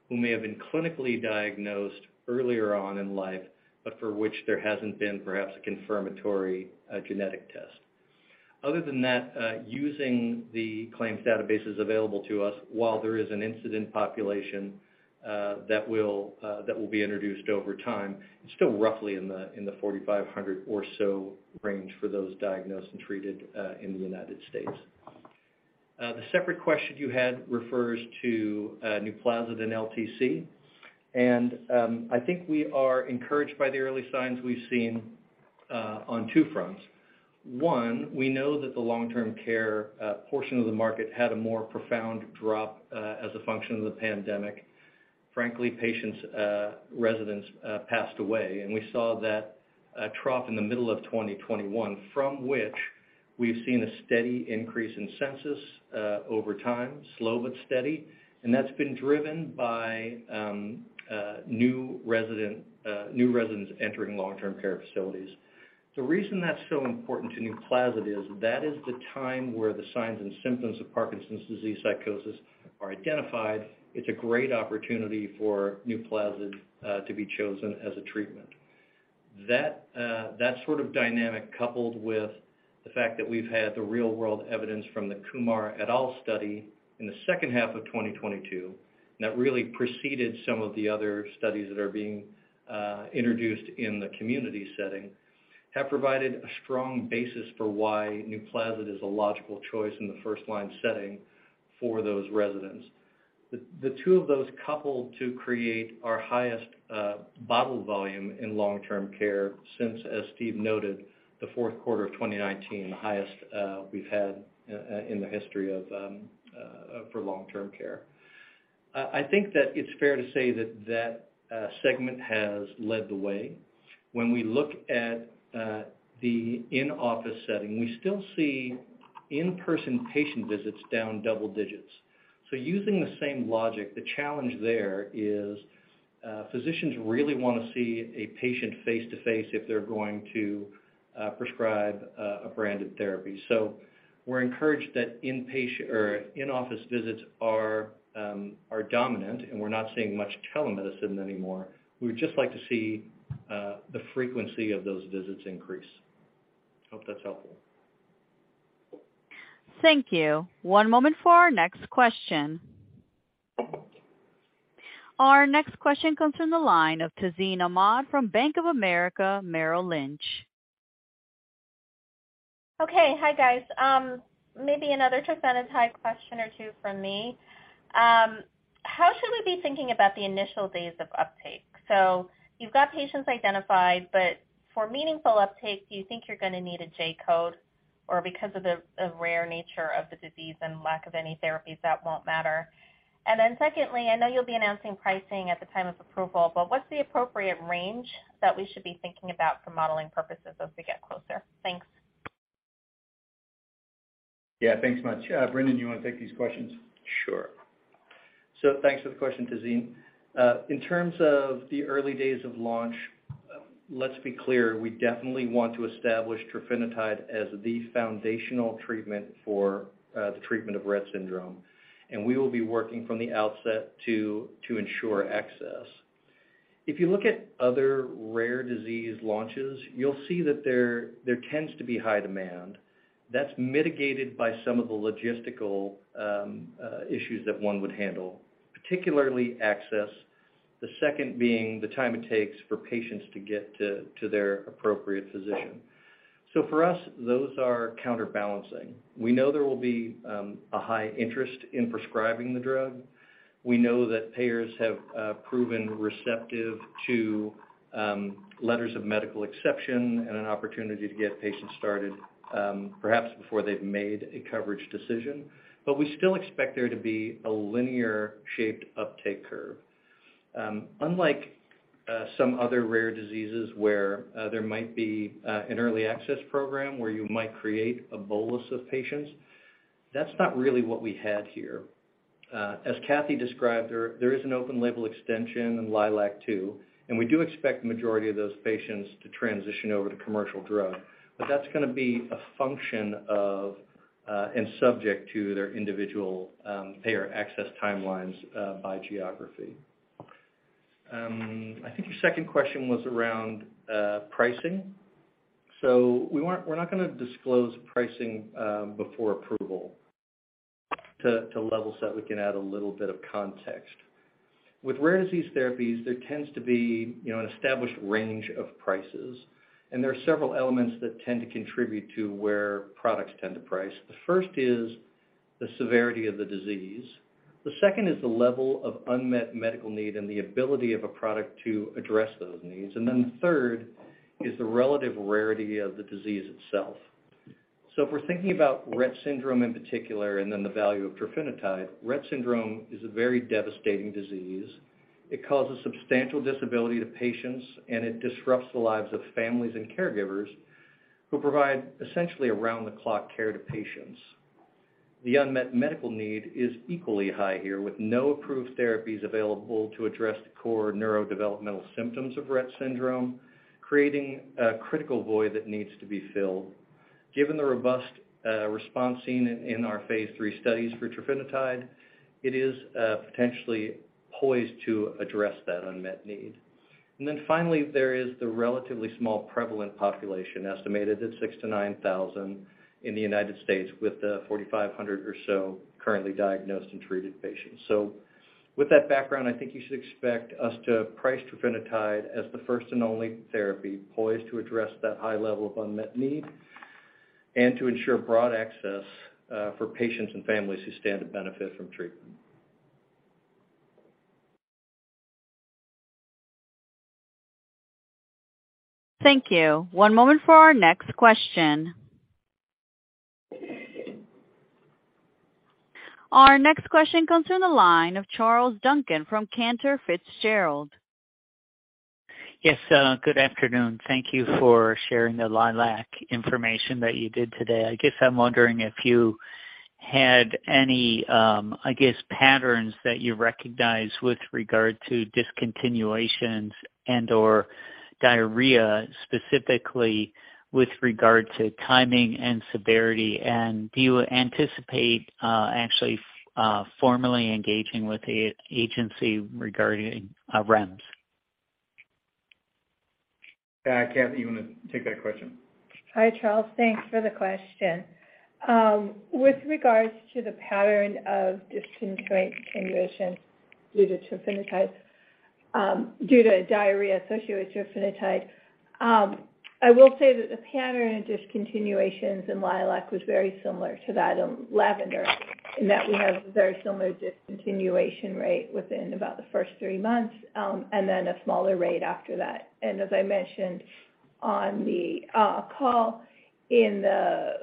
who may have been clinically diagnosed earlier on in life, but for which there hasn't been perhaps a confirmatory genetic test. Other than that, using the claims databases available to us, while there is an incident population that will be introduced over time, it's still roughly in the 4,500 or so range for those diagnosed and treated in the United States. The separate question you had refers to NUPLAZID in LTC. I think we are encouraged by the early signs we've seen on two fronts. One, we know that the long-term care portion of the market had a more profound drop as a function of the pandemic. Frankly, patients, residents passed away, and we saw that trough in the middle of 2021, from which we've seen a steady increase in census over time, slow but steady. That's been driven by new residents entering long-term care facilities. The reason that's so important to NUPLAZID is that is the time where the signs and symptoms of Parkinson's disease psychosis are identified. It's a great opportunity for NUPLAZID to be chosen as a treatment. That sort of dynamic, coupled with the fact that we've had the real-world evidence from the Kumar et al. study in the second half of 2022, that really preceded some of the other studies that are being introduced in the community setting, have provided a strong basis for why NUPLAZID is a logical choice in the first line setting for those residents. The two of those coupled to create our highest bottle volume in long-term care since, as Steve noted, the fourth quarter of 2019, the highest we've had in the history of for long-term care. I think that it's fair to say that that segment has led the way. When we look at the in-office setting, we still see in-person patient visits down double digits. Using the same logic, the challenge there is, physicians really want to see a patient face-to-face if they're going to prescribe a branded therapy. We're encouraged that in-office visits are dominant and we're not seeing much telemedicine anymore. We would just like to see the frequency of those visits increase. Hope that's helpful. Thank you. One moment for our next question. Our next question comes from the line of Tazeen Ahmad from Bank of America Merrill Lynch. Okay. Hi, guys. Maybe another trofinetide question or 2 from me. How should we be thinking about the initial days of uptake? You've got patients identified, but for meaningful uptake, do you think you're gonna need a J code, or because of the rare nature of the disease and lack of any therapies, that won't matter? Secondly, I know you'll be announcing pricing at the time of approval, but what's the appropriate range that we should be thinking about for modeling purposes as we get closer? Thanks. Yeah, thanks much. Brendan, you wanna take these questions? Sure. Thanks for the question, Tazeen. In terms of the early days of launch, let's be clear, we definitely want to establish trofinetide as the foundational treatment for the treatment of Rett syndrome, and we will be working from the outset to ensure access. If you look at other rare disease launches, you'll see that there tends to be high demand. That's mitigated by some of the logistical issues that one would handle, particularly access. The second being the time it takes for patients to get to their appropriate physician. For us, those are counterbalancing. We know there will be a high interest in prescribing the drug. We know that payers have proven receptive to letters of medical exception and an opportunity to get patients started, perhaps before they've made a coverage decision. We still expect there to be a linear-shaped uptake curve. Unlike some other rare diseases where there might be an early access program where you might create a bolus of patients, that's not really what we had here. As Kathie described, there is an open label extension in LILAC-2, and we do expect the majority of those patients to transition over to commercial drug. That's gonna be a function of and subject to their individual payer access timelines by geography. I think your second question was around pricing. We're not gonna disclose pricing before approval. To level set, we can add a little bit of context. With rare disease therapies, there tends to be, you know, an established range of prices. There are several elements that tend to contribute to where products tend to price. The first is the severity of the disease. The second is the level of unmet medical need and the ability of a product to address those needs. The third is the relative rarity of the disease itself. If we're thinking about Rett syndrome in particular and then the value of trofinetide, Rett syndrome is a very devastating disease. It causes substantial disability to patients, and it disrupts the lives of families and caregivers who provide essentially around-the-clock care to patients. The unmet medical need is equally high here, with no approved therapies available to address the core neurodevelopmental symptoms of Rett syndrome, creating a critical void that needs to be filled. Given the robust response seen in our phase III studies for trofinetide, it is potentially poised to address that unmet need. Finally, there is the relatively small prevalent population, estimated at 6,000-9,000 in the United States, with 4,500 or so currently diagnosed and treated patients. With that background, I think you should expect us to price trofinetide as the first and only therapy poised to address that high level of unmet need and to ensure broad access for patients and families who stand to benefit from treatment. Thank you. One moment for our next question. Our next question comes in the line of Charles Duncan from Cantor Fitzgerald. Yes, good afternoon. Thank you for sharing the LILAC information that you did today. I guess I'm wondering if you had any, I guess, patterns that you recognize with regard to discontinuations and/or diarrhea, specifically with regard to timing and severity. Do you anticipate, actually, formally engaging with the agency regarding REMS? Kathie, you wanna take that question? Hi, Charles. Thanks for the question. With regards to the pattern of discontinuation due to trofinetide, due to diarrhea associated with trofinetide, I will say that the pattern of discontinuations in LILAC was very similar to that of LAVENDER, in that we have a very similar discontinuation rate within about the first three months, and then a smaller rate after that. As I mentioned on the call in the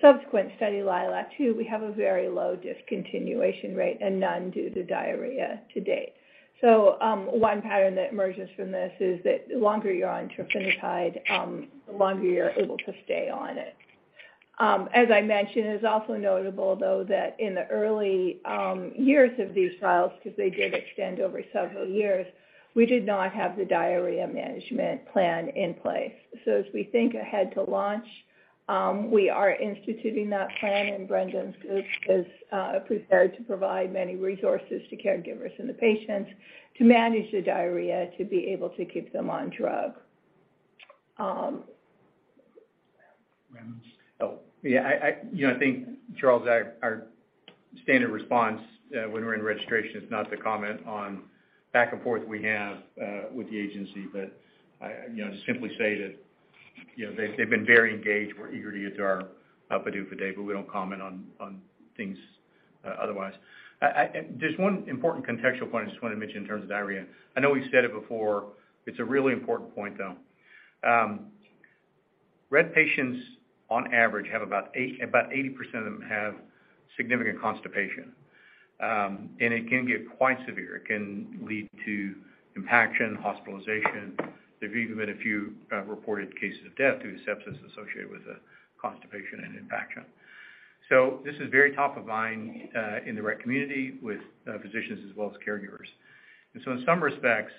subsequent study, LILAC-2, we have a very low discontinuation rate and none due to diarrhea to date. One pattern that emerges from this is that the longer you're on trofinetide, the longer you're able to stay on it. As I mentioned, it's also notable though that in the early years of these trials, 'cause they did extend over several years, we did not have the diarrhea management plan in place. As we think ahead to launch, we are instituting that plan, and Brendan's group is prepared to provide many resources to caregivers and the patients to manage the diarrhea, to be able to keep them on drug. Yeah, I, you know, I think, Charles, our standard response, when we're in registration is not to comment on back and forth we have with the agency. I, you know, just simply say that, you know, they've been very engaged. We're eager to get to our PDUFA date. We don't comment on things otherwise. There's one important contextual point I just wanted to mention in terms of diarrhea. I know we've said it before. It's a really important point, though. Rett patients on average have about 80% of them have significant constipation. It can get quite severe. It can lead to impaction, hospitalization. There's even been a few reported cases of death due to sepsis associated with constipation and impaction. This is very top of mind in the Rett community with physicians as well as caregivers. In some respects,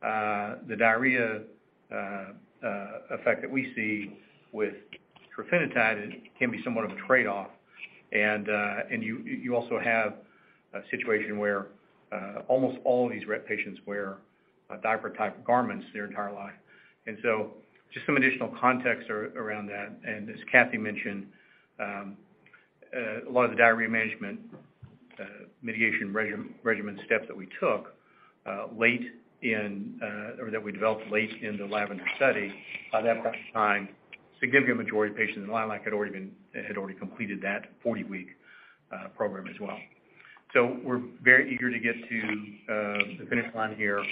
the diarrhea effect that we see with trofinetide can be somewhat of a trade-off. You also have a situation where almost all of these Rett patients wear diaper-type garments their entire life. Just some additional context around that. As Kathie mentioned, a lot of the diarrhea management mitigation regimen steps that we took late in or that we developed late in the LAVENDER study, by that point in time, significant majority of patients in LILAC had already been, had already completed that 40-week program as well. We're very eager to get to the finish line here.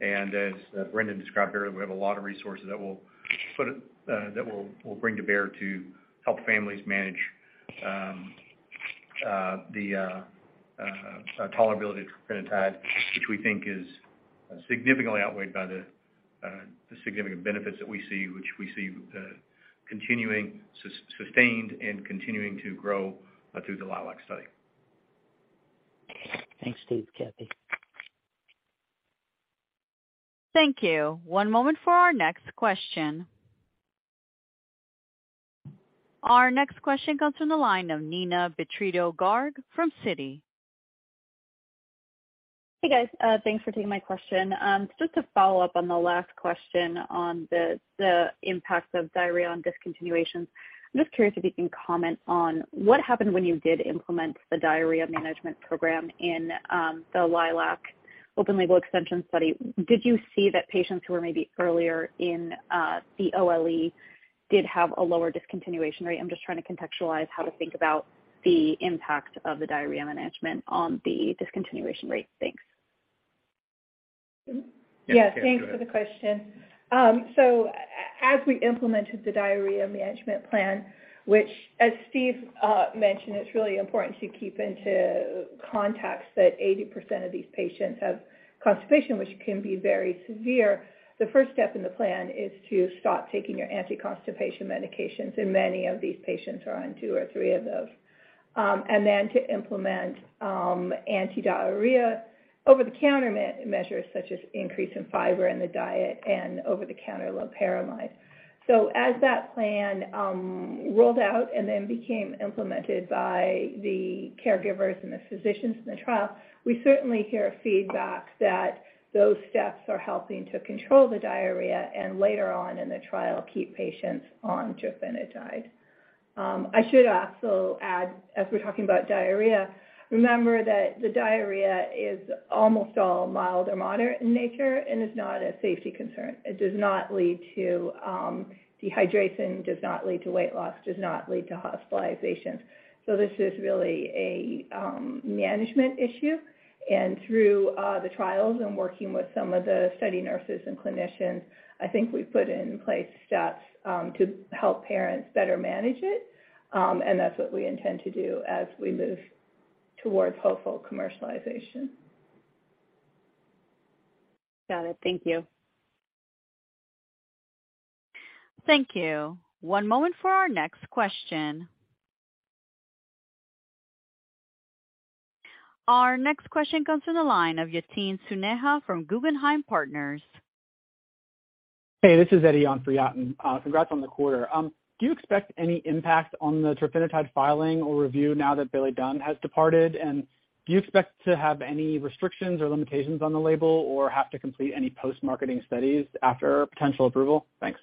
As Brendan described earlier, we have a lot of resources that we'll bring to bear to help families manage the tolerability of trofinetide, which we think is significantly outweighed by the significant benefits that we see, which we see continuing, sustained and continuing to grow through the LILAC study. Thanks, Steve, Kathie. Thank you. One moment for our next question. Our next question comes from the line of Neena Bitritto-Garg from Citi. Hey, guys. Thanks for taking my question. Just to follow up on the last question on the impact of diarrhea on discontinuations. I'm just curious if you can comment on what happened when you did implement the diarrhea management program in the LILAC open label extension study. Did you see that patients who were maybe earlier in the OLE did have a lower discontinuation rate? I'm just trying to contextualize how to think about the impact of the diarrhea management on the discontinuation rate. Thanks. Thanks for the question. As we implemented the diarrhea management plan, which as Steve mentioned, it's really important to keep into context that 80% of these patients have constipation, which can be very severe. The first step in the plan is to stop taking your anti-constipation medications, and many of these patients are on two or three of those. To implement anti-diarrhea over-the-counter measures such as increase in fiber in the diet and over-the-counter loperamide. As that plan rolled out and then became implemented by the caregivers and the physicians in the trial, we certainly hear feedback that those steps are helping to control the diarrhea and later on in the trial, keep patients on trofinetide. I should also add, as we're talking about diarrhea, remember that the diarrhea is almost all mild or moderate in nature and is not a safety concern. It does not lead to dehydration, does not lead to weight loss, does not lead to hospitalizations. This is really a management issue. Through the trials and working with some of the study nurses and clinicians, I think we put in place steps to help parents better manage it. That's what we intend to do as we move towards hopeful commercialization. Got it. Thank you. Thank you. One moment for our next question. Our next question comes from the line of Yatin Suneja from Guggenheim Partners. Hey, this is Eddie on for Yatin. Congrats on the quarter. Do you expect any impact on the trofinetide filing or review now that Billy Dunn has departed? Do you expect to have any restrictions or limitations on the label or have to complete any post-marketing studies after potential approval? Thanks.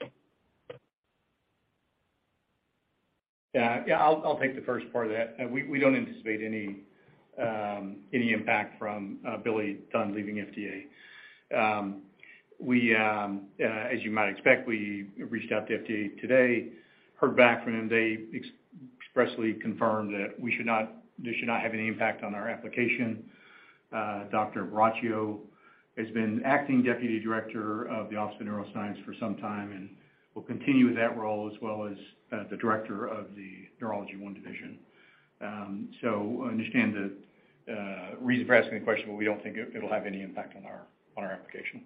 Yeah, I'll take the first part of that. We don't anticipate any impact from Billy Dunn leaving FDA. We, as you might expect, we reached out to FDA today, heard back from them. They expressly confirm this should not have any impact on our application. Dr. Buracchio has been acting deputy director of the Office of Neuroscience for some time and will continue with that role as well as the director of the Neurology I Division. I understand the reason for asking the question, but we don't think it'll have any impact on our application.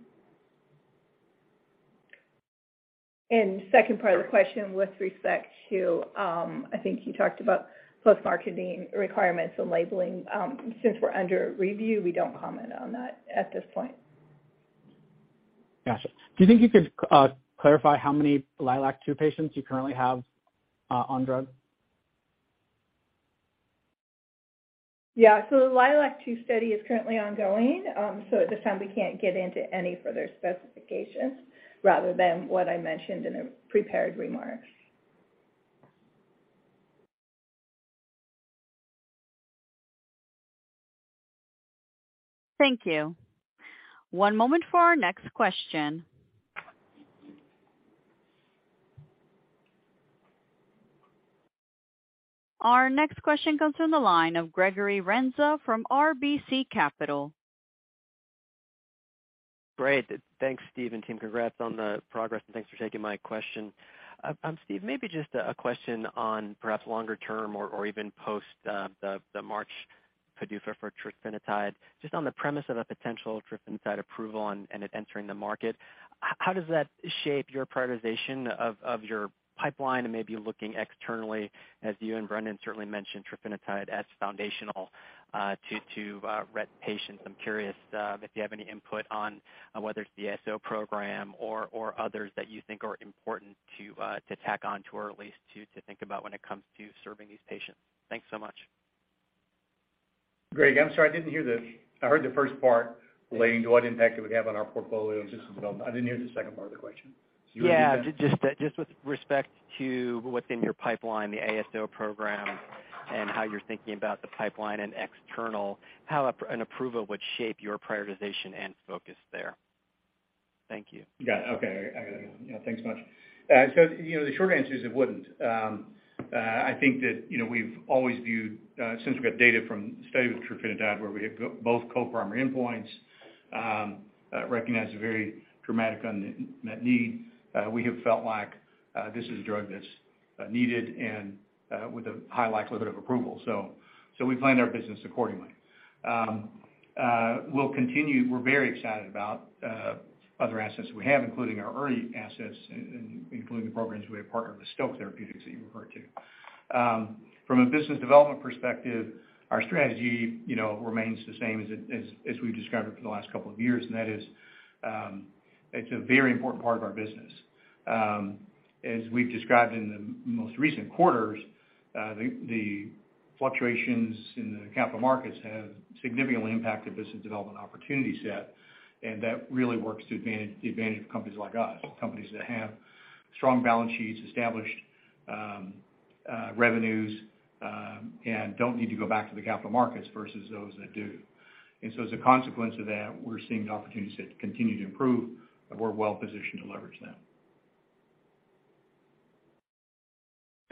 Second part of the question with respect to, I think you talked about post-marketing requirements and labeling. Since we're under review, we don't comment on that at this point. Gotcha. Do you think you could clarify how many LILAC-2 patients you currently have on drug? Yeah. The LILAC-2 study is currently ongoing. At this time, we can't get into any further specifications rather than what I mentioned in the prepared remarks. Thank you. One moment for our next question. Our next question comes from the line of Gregory Renza from RBC Capital. Great. Thanks, Steve, and team congrats on the progress and thanks for taking my question. Steve, maybe just a question on perhaps longer term or even post the March PDUFA for trofinetide, just on the premise of a potential trofinetide approval and it entering the market. How does that shape your prioritization of your pipeline and maybe looking externally as you and Brendan certainly mentioned trofinetide as foundational to Rett patients. I'm curious, if you have any input on whether it's the ASO program or others that you think are important to tack on to or at least to think about when it comes to serving these patients. Thanks so much. Greg, I'm sorry, I didn't hear. I heard the first part relating to what impact it would have on our portfolio and business development. I didn't hear the second part of the question. Can you repeat that? Yeah, just with respect to what's in your pipeline, the ASO program, and how you're thinking about the pipeline and external, how an approval would shape your prioritization and focus there. Thank you. Got it. Okay. I got it. Yeah, thanks much. You know, the short answer is it wouldn't. I think that, you know, we've always viewed since we got data from study with trofinetide where we hit both co-primary endpoints, recognize a very dramatic unmet need. We have felt like this is a drug that's needed and with a high likelihood of approval. We planned our business accordingly. We'll continue. We're very excited about other assets we have, including our early assets including the programs we have partnered with Stoke Therapeutics that you referred to. From a business development perspective, our strategy, you know, remains the same as we've described it for the last couple of years. That is, it's a very important part of our business. As we've described in the most recent quarters, the fluctuations in the capital markets have significantly impacted business development opportunity set, and that really works to advantage, the advantage of companies like us. Companies that have strong balance sheets, established revenues, and don't need to go back to the capital markets versus those that do. As a consequence of that, we're seeing the opportunity set continue to improve, and we're well positioned to leverage them.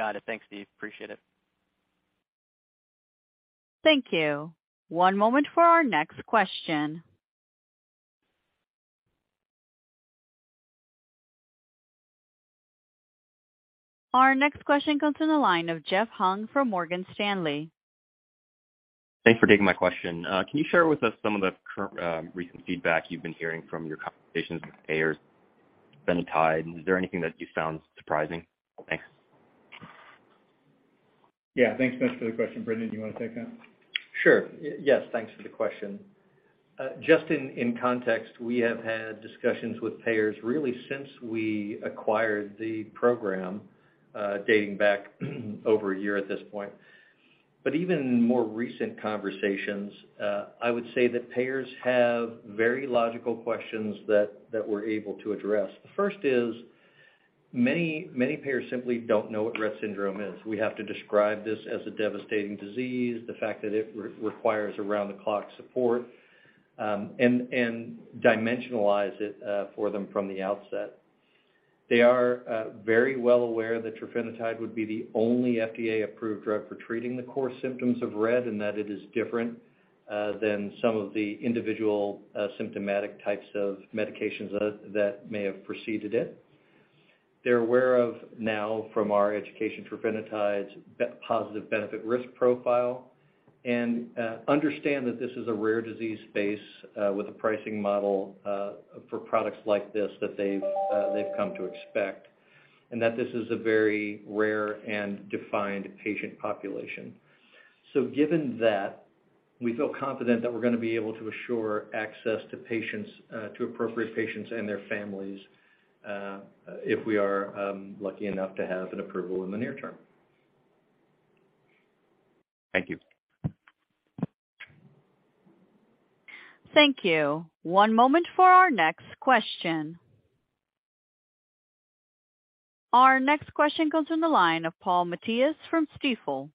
Got it. Thanks, Steve. Appreciate it. Thank you. One moment for our next question. Our next question comes in the line of Jeff Hung from Morgan Stanley. Thanks for taking my question. Can you share with us some of the recent feedback you've been hearing from your conversations with payers, trofinetide? Is there anything that you found surprising? Thanks. Yeah. Thanks so much for the question. Brendan, do you wanna take that? Sure. Yes, thanks for the question. Just in context, we have had discussions with payers really since we acquired the program, dating back over a year at this point. Even more recent conversations, I would say that payers have very logical questions that we're able to address. The first is many payers simply don't know what Rett syndrome is. We have to describe this as a devastating disease, the fact that it requires around-the-clock support, and dimensionalize it for them from the outset. They are very well aware that trofinetide would be the only FDA-approved drug for treating the core symptoms of Rett, and that it is different than some of the individual symptomatic types of medications that may have preceded it. They're aware of now from our education trofinetide's positive benefit risk profile and understand that this is a rare disease space with a pricing model for products like this that they've come to expect, and that this is a very rare and defined patient population. Given that, we feel confident that we're gonna be able to assure access to patients to appropriate patients and their families if we are lucky enough to have an approval in the near term. Thank you. Thank you. One moment for our next question. Our next question comes in the line of Paul Matteis from Stifel.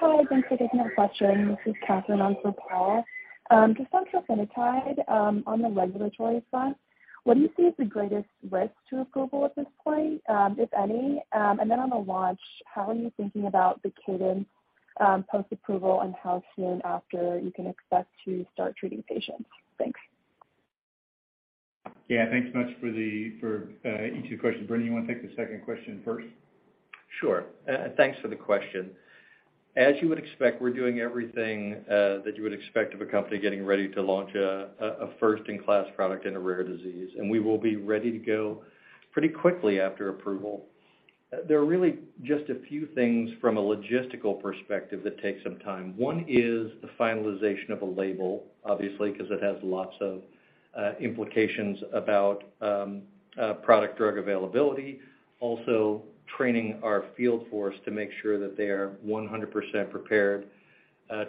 Hi, thanks for taking my question. This is Katherine on for Paul. Just on trofinetide, on the regulatory front, what do you see as the greatest risk to approval at this point, if any? On the launch, how are you thinking about the cadence, post-approval and how soon after you can expect to start treating patients? Thanks. Yeah, thanks so much for each of the questions. Brendan, you wanna take the second question first? Sure. Thanks for the question. As you would expect, we're doing everything that you would expect of a company getting ready to launch a first-in-class product in a rare disease. We will be ready to go pretty quickly after approval. There are really just a few things from a logistical perspective that take some time. One is the finalization of a label, obviously, 'cause it has lots of implications about product drug availability. Also training our field force to make sure that they are 100% prepared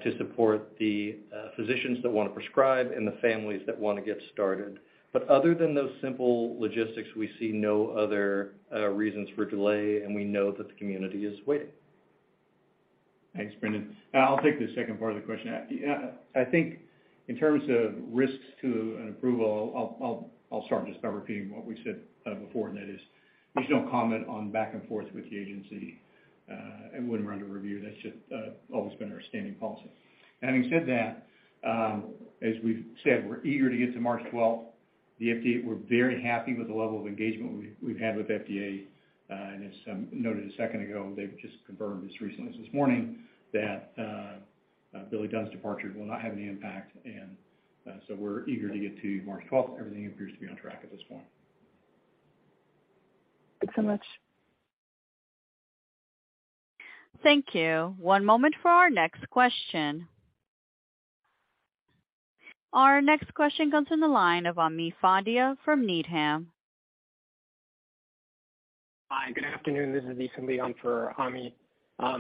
to support the physicians that wanna prescribe and the families that wanna get started. Other than those simple logistics, we see no other reasons for delay. We know that the community is waiting. Thanks, Brendan. I'll take the second part of the question. I think in terms of risks to an approval, I'll start just by repeating what we've said before, and that is we just don't comment on back and forth with the agency when we're under review. That's just always been our standing policy. Having said that, as we've said, we're eager to get to March 12th. We're very happy with the level of engagement we've had with FDA, and as some noted a second ago, they've just confirmed as recently as this morning that Billy Dunn's departure will not have any impact. We're eager to get to March 12th. Everything appears to be on track at this point. Thanks so much. Thank you. One moment for our next question. Our next question comes from the line of Ami Fadia from Needham. Hi, good afternoon. This is Ethan Lee on for Ami.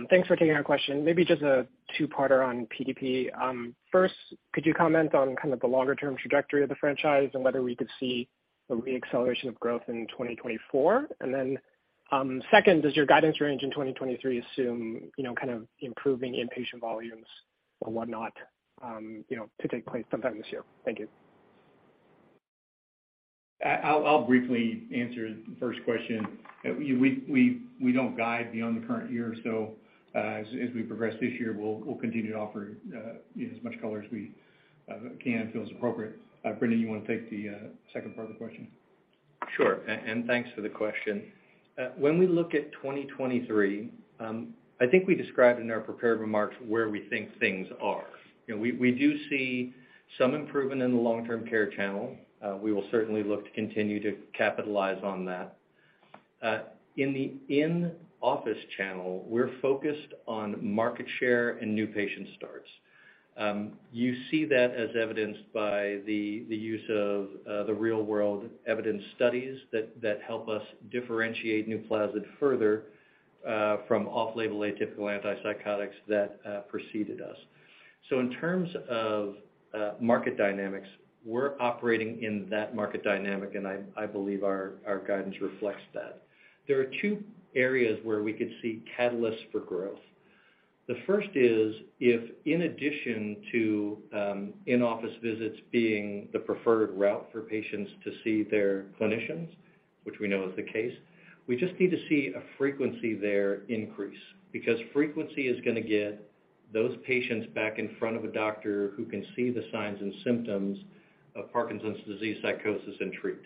Thanks for taking our question. Maybe just a two-parter on PDP. First, could you comment on kind of the longer term trajectory of the franchise and whether we could see a re-acceleration of growth in 2024? Then, second, does your guidance range in 2023 assume, you know, kind of improving inpatient volumes or whatnot, you know, to take place sometime this year? Thank you. I'll briefly answer the first question. We don't guide beyond the current year. As we progress this year, we'll continue to offer, you know, as much color as we can and feels appropriate. Brendan, you wanna take the second part of the question? Sure. Thanks for the question. When we look at 2023, I think we described in our prepared remarks where we think things are. You know, we do see some improvement in the long-term care channel. We will certainly look to continue to capitalize on that. In the in-office channel, we're focused on market share and new patient starts. You see that as evidenced by the use of the real-world evidence studies that help us differentiate NUPLAZID further from off-label atypical antipsychotics that preceded us. In terms of market dynamics, we're operating in that market dynamic, and I believe our guidance reflects that. There are two areas where we could see catalysts for growth. The first is if in addition to in-office visits being the preferred route for patients to see their clinicians, which we know is the case, we just need to see a frequency there increase. Because frequency is gonna get those patients back in front of a doctor who can see the signs and symptoms of Parkinson's disease psychosis and treat.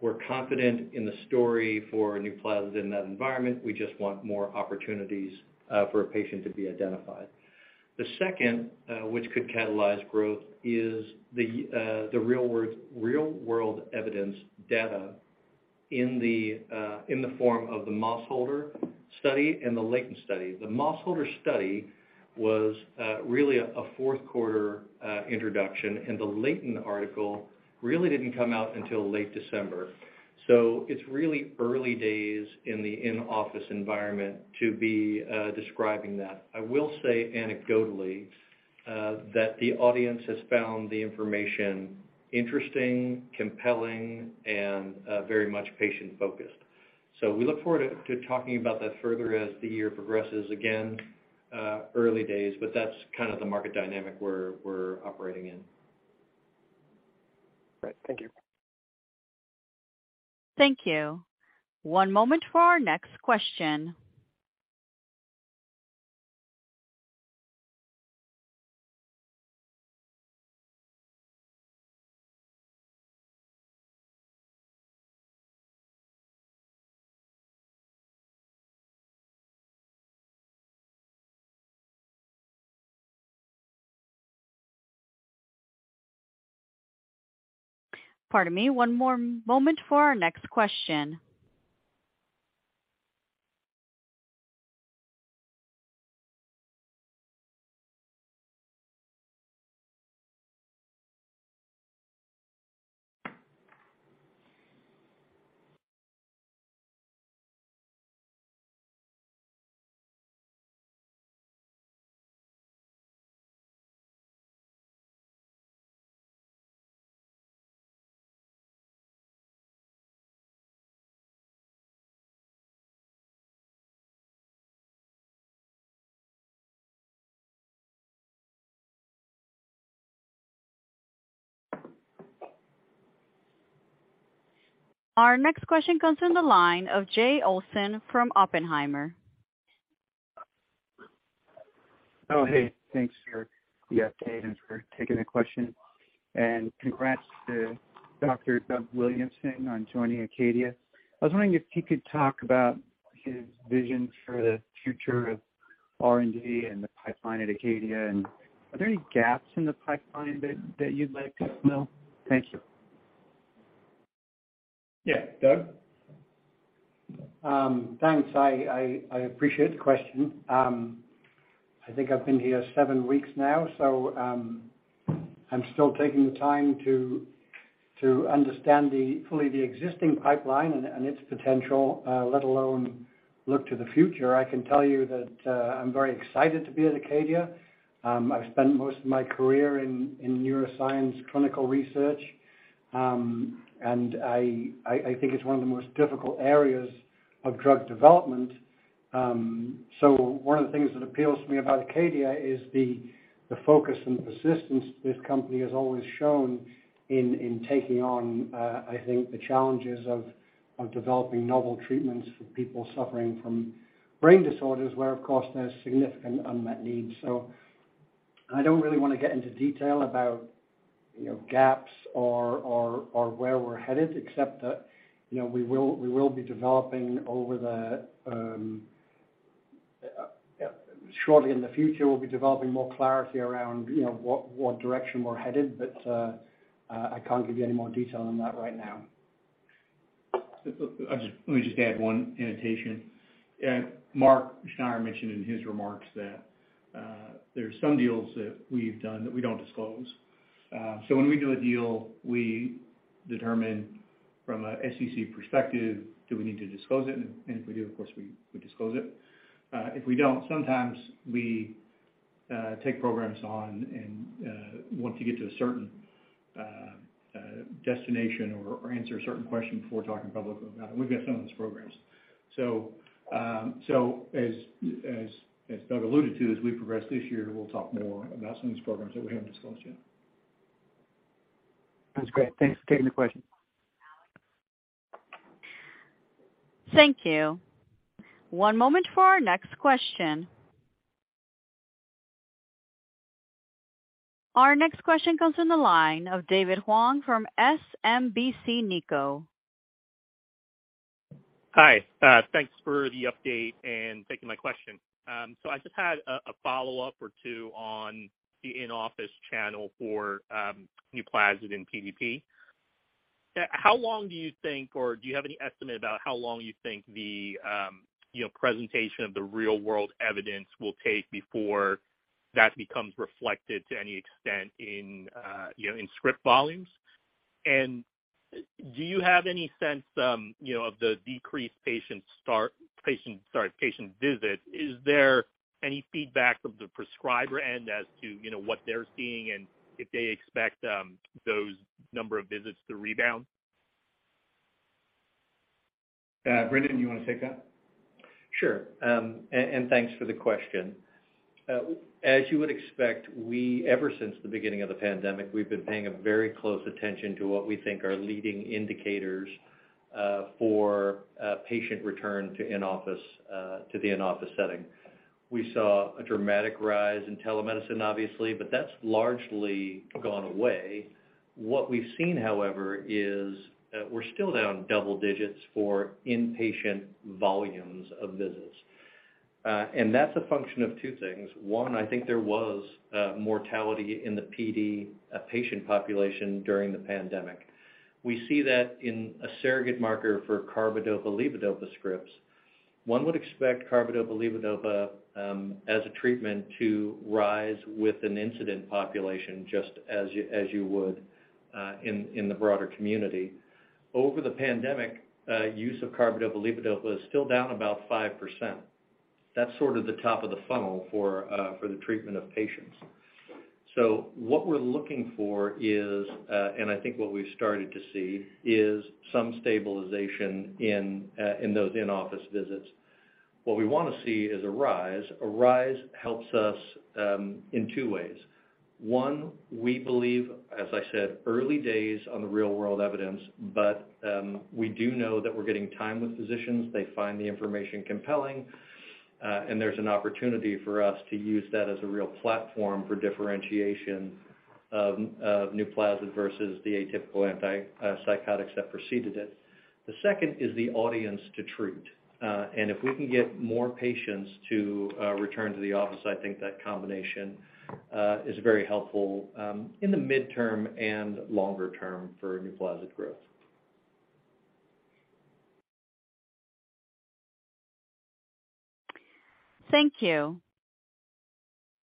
We're confident in the story for NUPLAZID in that environment. We just want more opportunities for a patient to be identified. The second, which could catalyze growth is the real-world evidence data in the form of the Mosholder study and the Layton study. The Mosholder study was really a fourth quarter introduction, and the Layton article really didn't come out until late December. It's really early days in the in-office environment to be describing that. I will say anecdotally that the audience has found the information interesting, compelling, and very much patient-focused. We look forward to talking about that further as the year progresses. Again, early days. That's kind of the market dynamic we're operating in. Great. Thank you. Thank you. One moment for our next question. Pardon me, one more moment for our next question. Our next question comes from the line of Jay Olson from Oppenheimer. Oh, hey, thanks for the update and for taking the question. Congrats to Dr. Doug Williamson on joining Acadia. I was wondering if he could talk about his vision for the future of R&D and the pipeline at Acadia, and are there any gaps in the pipeline that you'd like us to know? Thank you. Yeah. Doug? Thanks. I appreciate the question. I think I've been here seven weeks now, I'm still taking the time to understand fully the existing pipeline and its potential, let alone look to the future. I can tell you that I'm very excited to be at Acadia. I've spent most of my career in neuroscience clinical research. I think it's one of the most difficult areas of drug development. One of the things that appeals to me about Acadia is the focus and persistence this company has always shown in taking on, I think the challenges of developing novel treatments for people suffering from brain disorders, where, of course, there's significant unmet needs. I don't really wanna get into detail about, you know, gaps or where we're headed, except that, you know, we will be developing over the, shortly in the future, we'll be developing more clarity around, you know, what direction we're headed. I can't give you any more detail on that right now. Let me just add one annotation. Mark Schneyer mentioned in his remarks that there are some deals that we've done that we don't disclose. When we do a deal, we determine from a SEC perspective, do we need to disclose it? If we do, of course, we disclose it. If we don't, sometimes we take programs on and once we get to a certain destination or answer a certain question before talking publicly about it. We've got some of those programs. As Doug alluded to, as we progress this year, we'll talk more about some of these programs that we haven't disclosed yet. That's great. Thanks for taking the question. Thank you. One moment for our next question. Our next question comes from the line of David Hoang from SMBC Nikko. Hi. Thanks for the update and taking my question. I just had a follow-up or two on the in-office channel for NUPLAZID and PDP. How long do you think, or do you have any estimate about how long you think the, you know, presentation of the real-world evidence will take before that becomes reflected to any extent in, you know, in script volumes? Do you have any sense, you know, of the decreased patient visits, is there any feedback from the prescriber end as to, you know, what they're seeing and if they expect those number of visits to rebound? Brendan, do you wanna take that? Sure. Thanks for the question. As you would expect, ever since the beginning of the pandemic, we've been paying a very close attention to what we think are leading indicators for patient return to in-office to the in-office setting. We saw a dramatic rise in telemedicine, obviously, but that's largely gone away. What we've seen, however, is we're still down double digits for in-patient volumes of visits. That's a function of two things. One, I think there was mortality in the PD patient population during the pandemic. We see that in a surrogate marker for carbidopa/levodopa scripts. One would expect carbidopa/levodopa as a treatment to rise with an incident population just as you would in the broader community. Over the pandemic, use of carbidopa/levodopa is still down about 5%. That's sort of the top of the funnel for the treatment of patients. What we're looking for is, and I think what we've started to see, is some stabilization in those in-office visits. What we wanna see is a rise. A rise helps us in two ways. One, we believe, as I said, early days on the real-world evidence, but we do know that we're getting time with physicians. They find the information compelling, and there's an opportunity for us to use that as a real platform for differentiation of NUPLAZID versus the atypical antipsychotics that preceded it. The second is the audience to treat. If we can get more patients to return to the office, I think that combination is very helpful in the midterm and longer term for NUPLAZID growth. Thank you.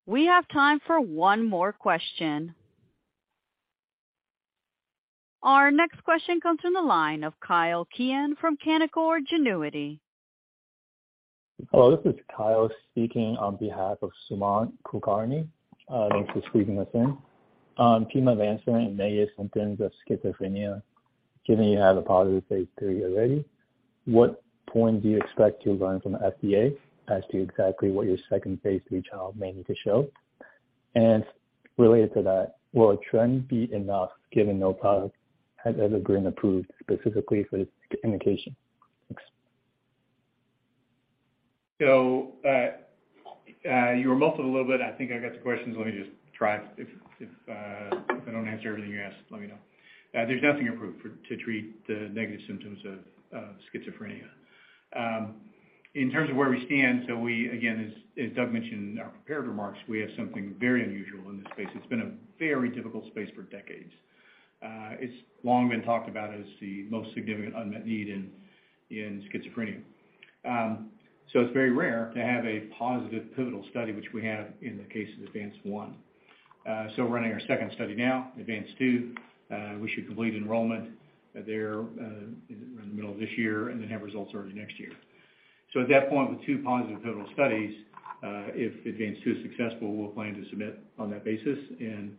We have time for one more question. Our next question comes from the line of Kyle Qian from Canaccord Genuity. Hello, this is Kyle speaking on behalf of Sumant Kulkarni. Thanks for squeezing us in. Keep advancing negative symptoms of schizophrenia, given you have a positive phase III already, what point do you expect to learn from the FDA as to exactly what your second phase III trial may need to show? Related to that, will a trend be enough given no product has ever been approved specifically for this indication? Thanks. You remulted a little bit. I think I got the questions. Let me just try. If I don't answer everything you asked, let me know. There's nothing approved for, to treat the negative symptoms of schizophrenia. In terms of where we stand, we again, as Doug mentioned in our prepared remarks, we have something very unusual in this space. It's been a very difficult space for decades. It's long been talked about as the most significant unmet need in schizophrenia. It's very rare to have a positive pivotal study, which we have in the case of ADVANCE-1. We're running our second study now, ADVANCE-2. We should complete enrollment there, in the middle of this year have results early next year. At that point, with two positive pivotal studies, if ADVANCE-2 is successful, we'll plan to submit on that basis. You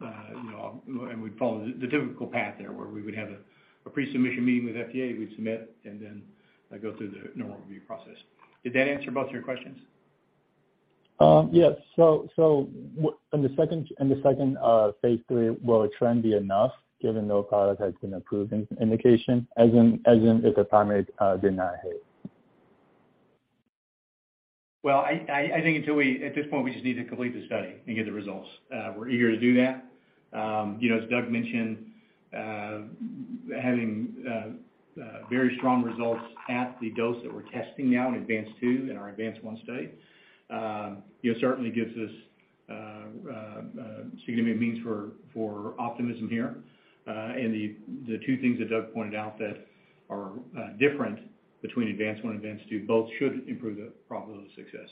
know, and we follow the typical path there where we would have a pre-submission meeting with FDA, we submit and then, go through the normal review process. Did that answer both of your questions? Yes. In the second phase III, will a trend be enough given no product has been approved in indication as in if the primary did not hit? Well, at this point, we just need to complete the study and get the results. We're eager to do that. You know, as Doug mentioned, having very strong results at the dose that we're testing now in ADVANCE-2 and our ADVANCE-1 study, you know, certainly gives us significant means for optimism here. The two things that Doug pointed out that are different between ADVANCE-1 and ADVANCE-2, both should improve the probability of success.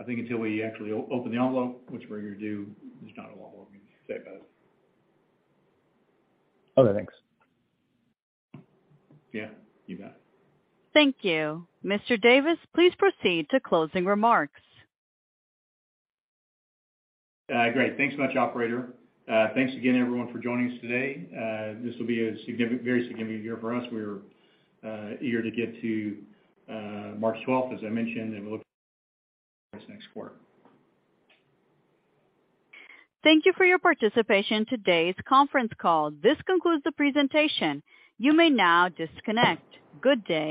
I think until we actually open the envelope, which we're gonna do, there's not a lot more we can say about it. Okay, thanks. Yeah, you bet. Thank you. Mr. Davis, please proceed to closing remarks. Great. Thanks much, operator. Thanks again everyone for joining us today. This will be a significant, very significant year for us. We're eager to get to March 12th, as I mentioned. We look this next quarter. Thank you for your participation in today's conference call. This concludes the presentation. You may now disconnect. Good day.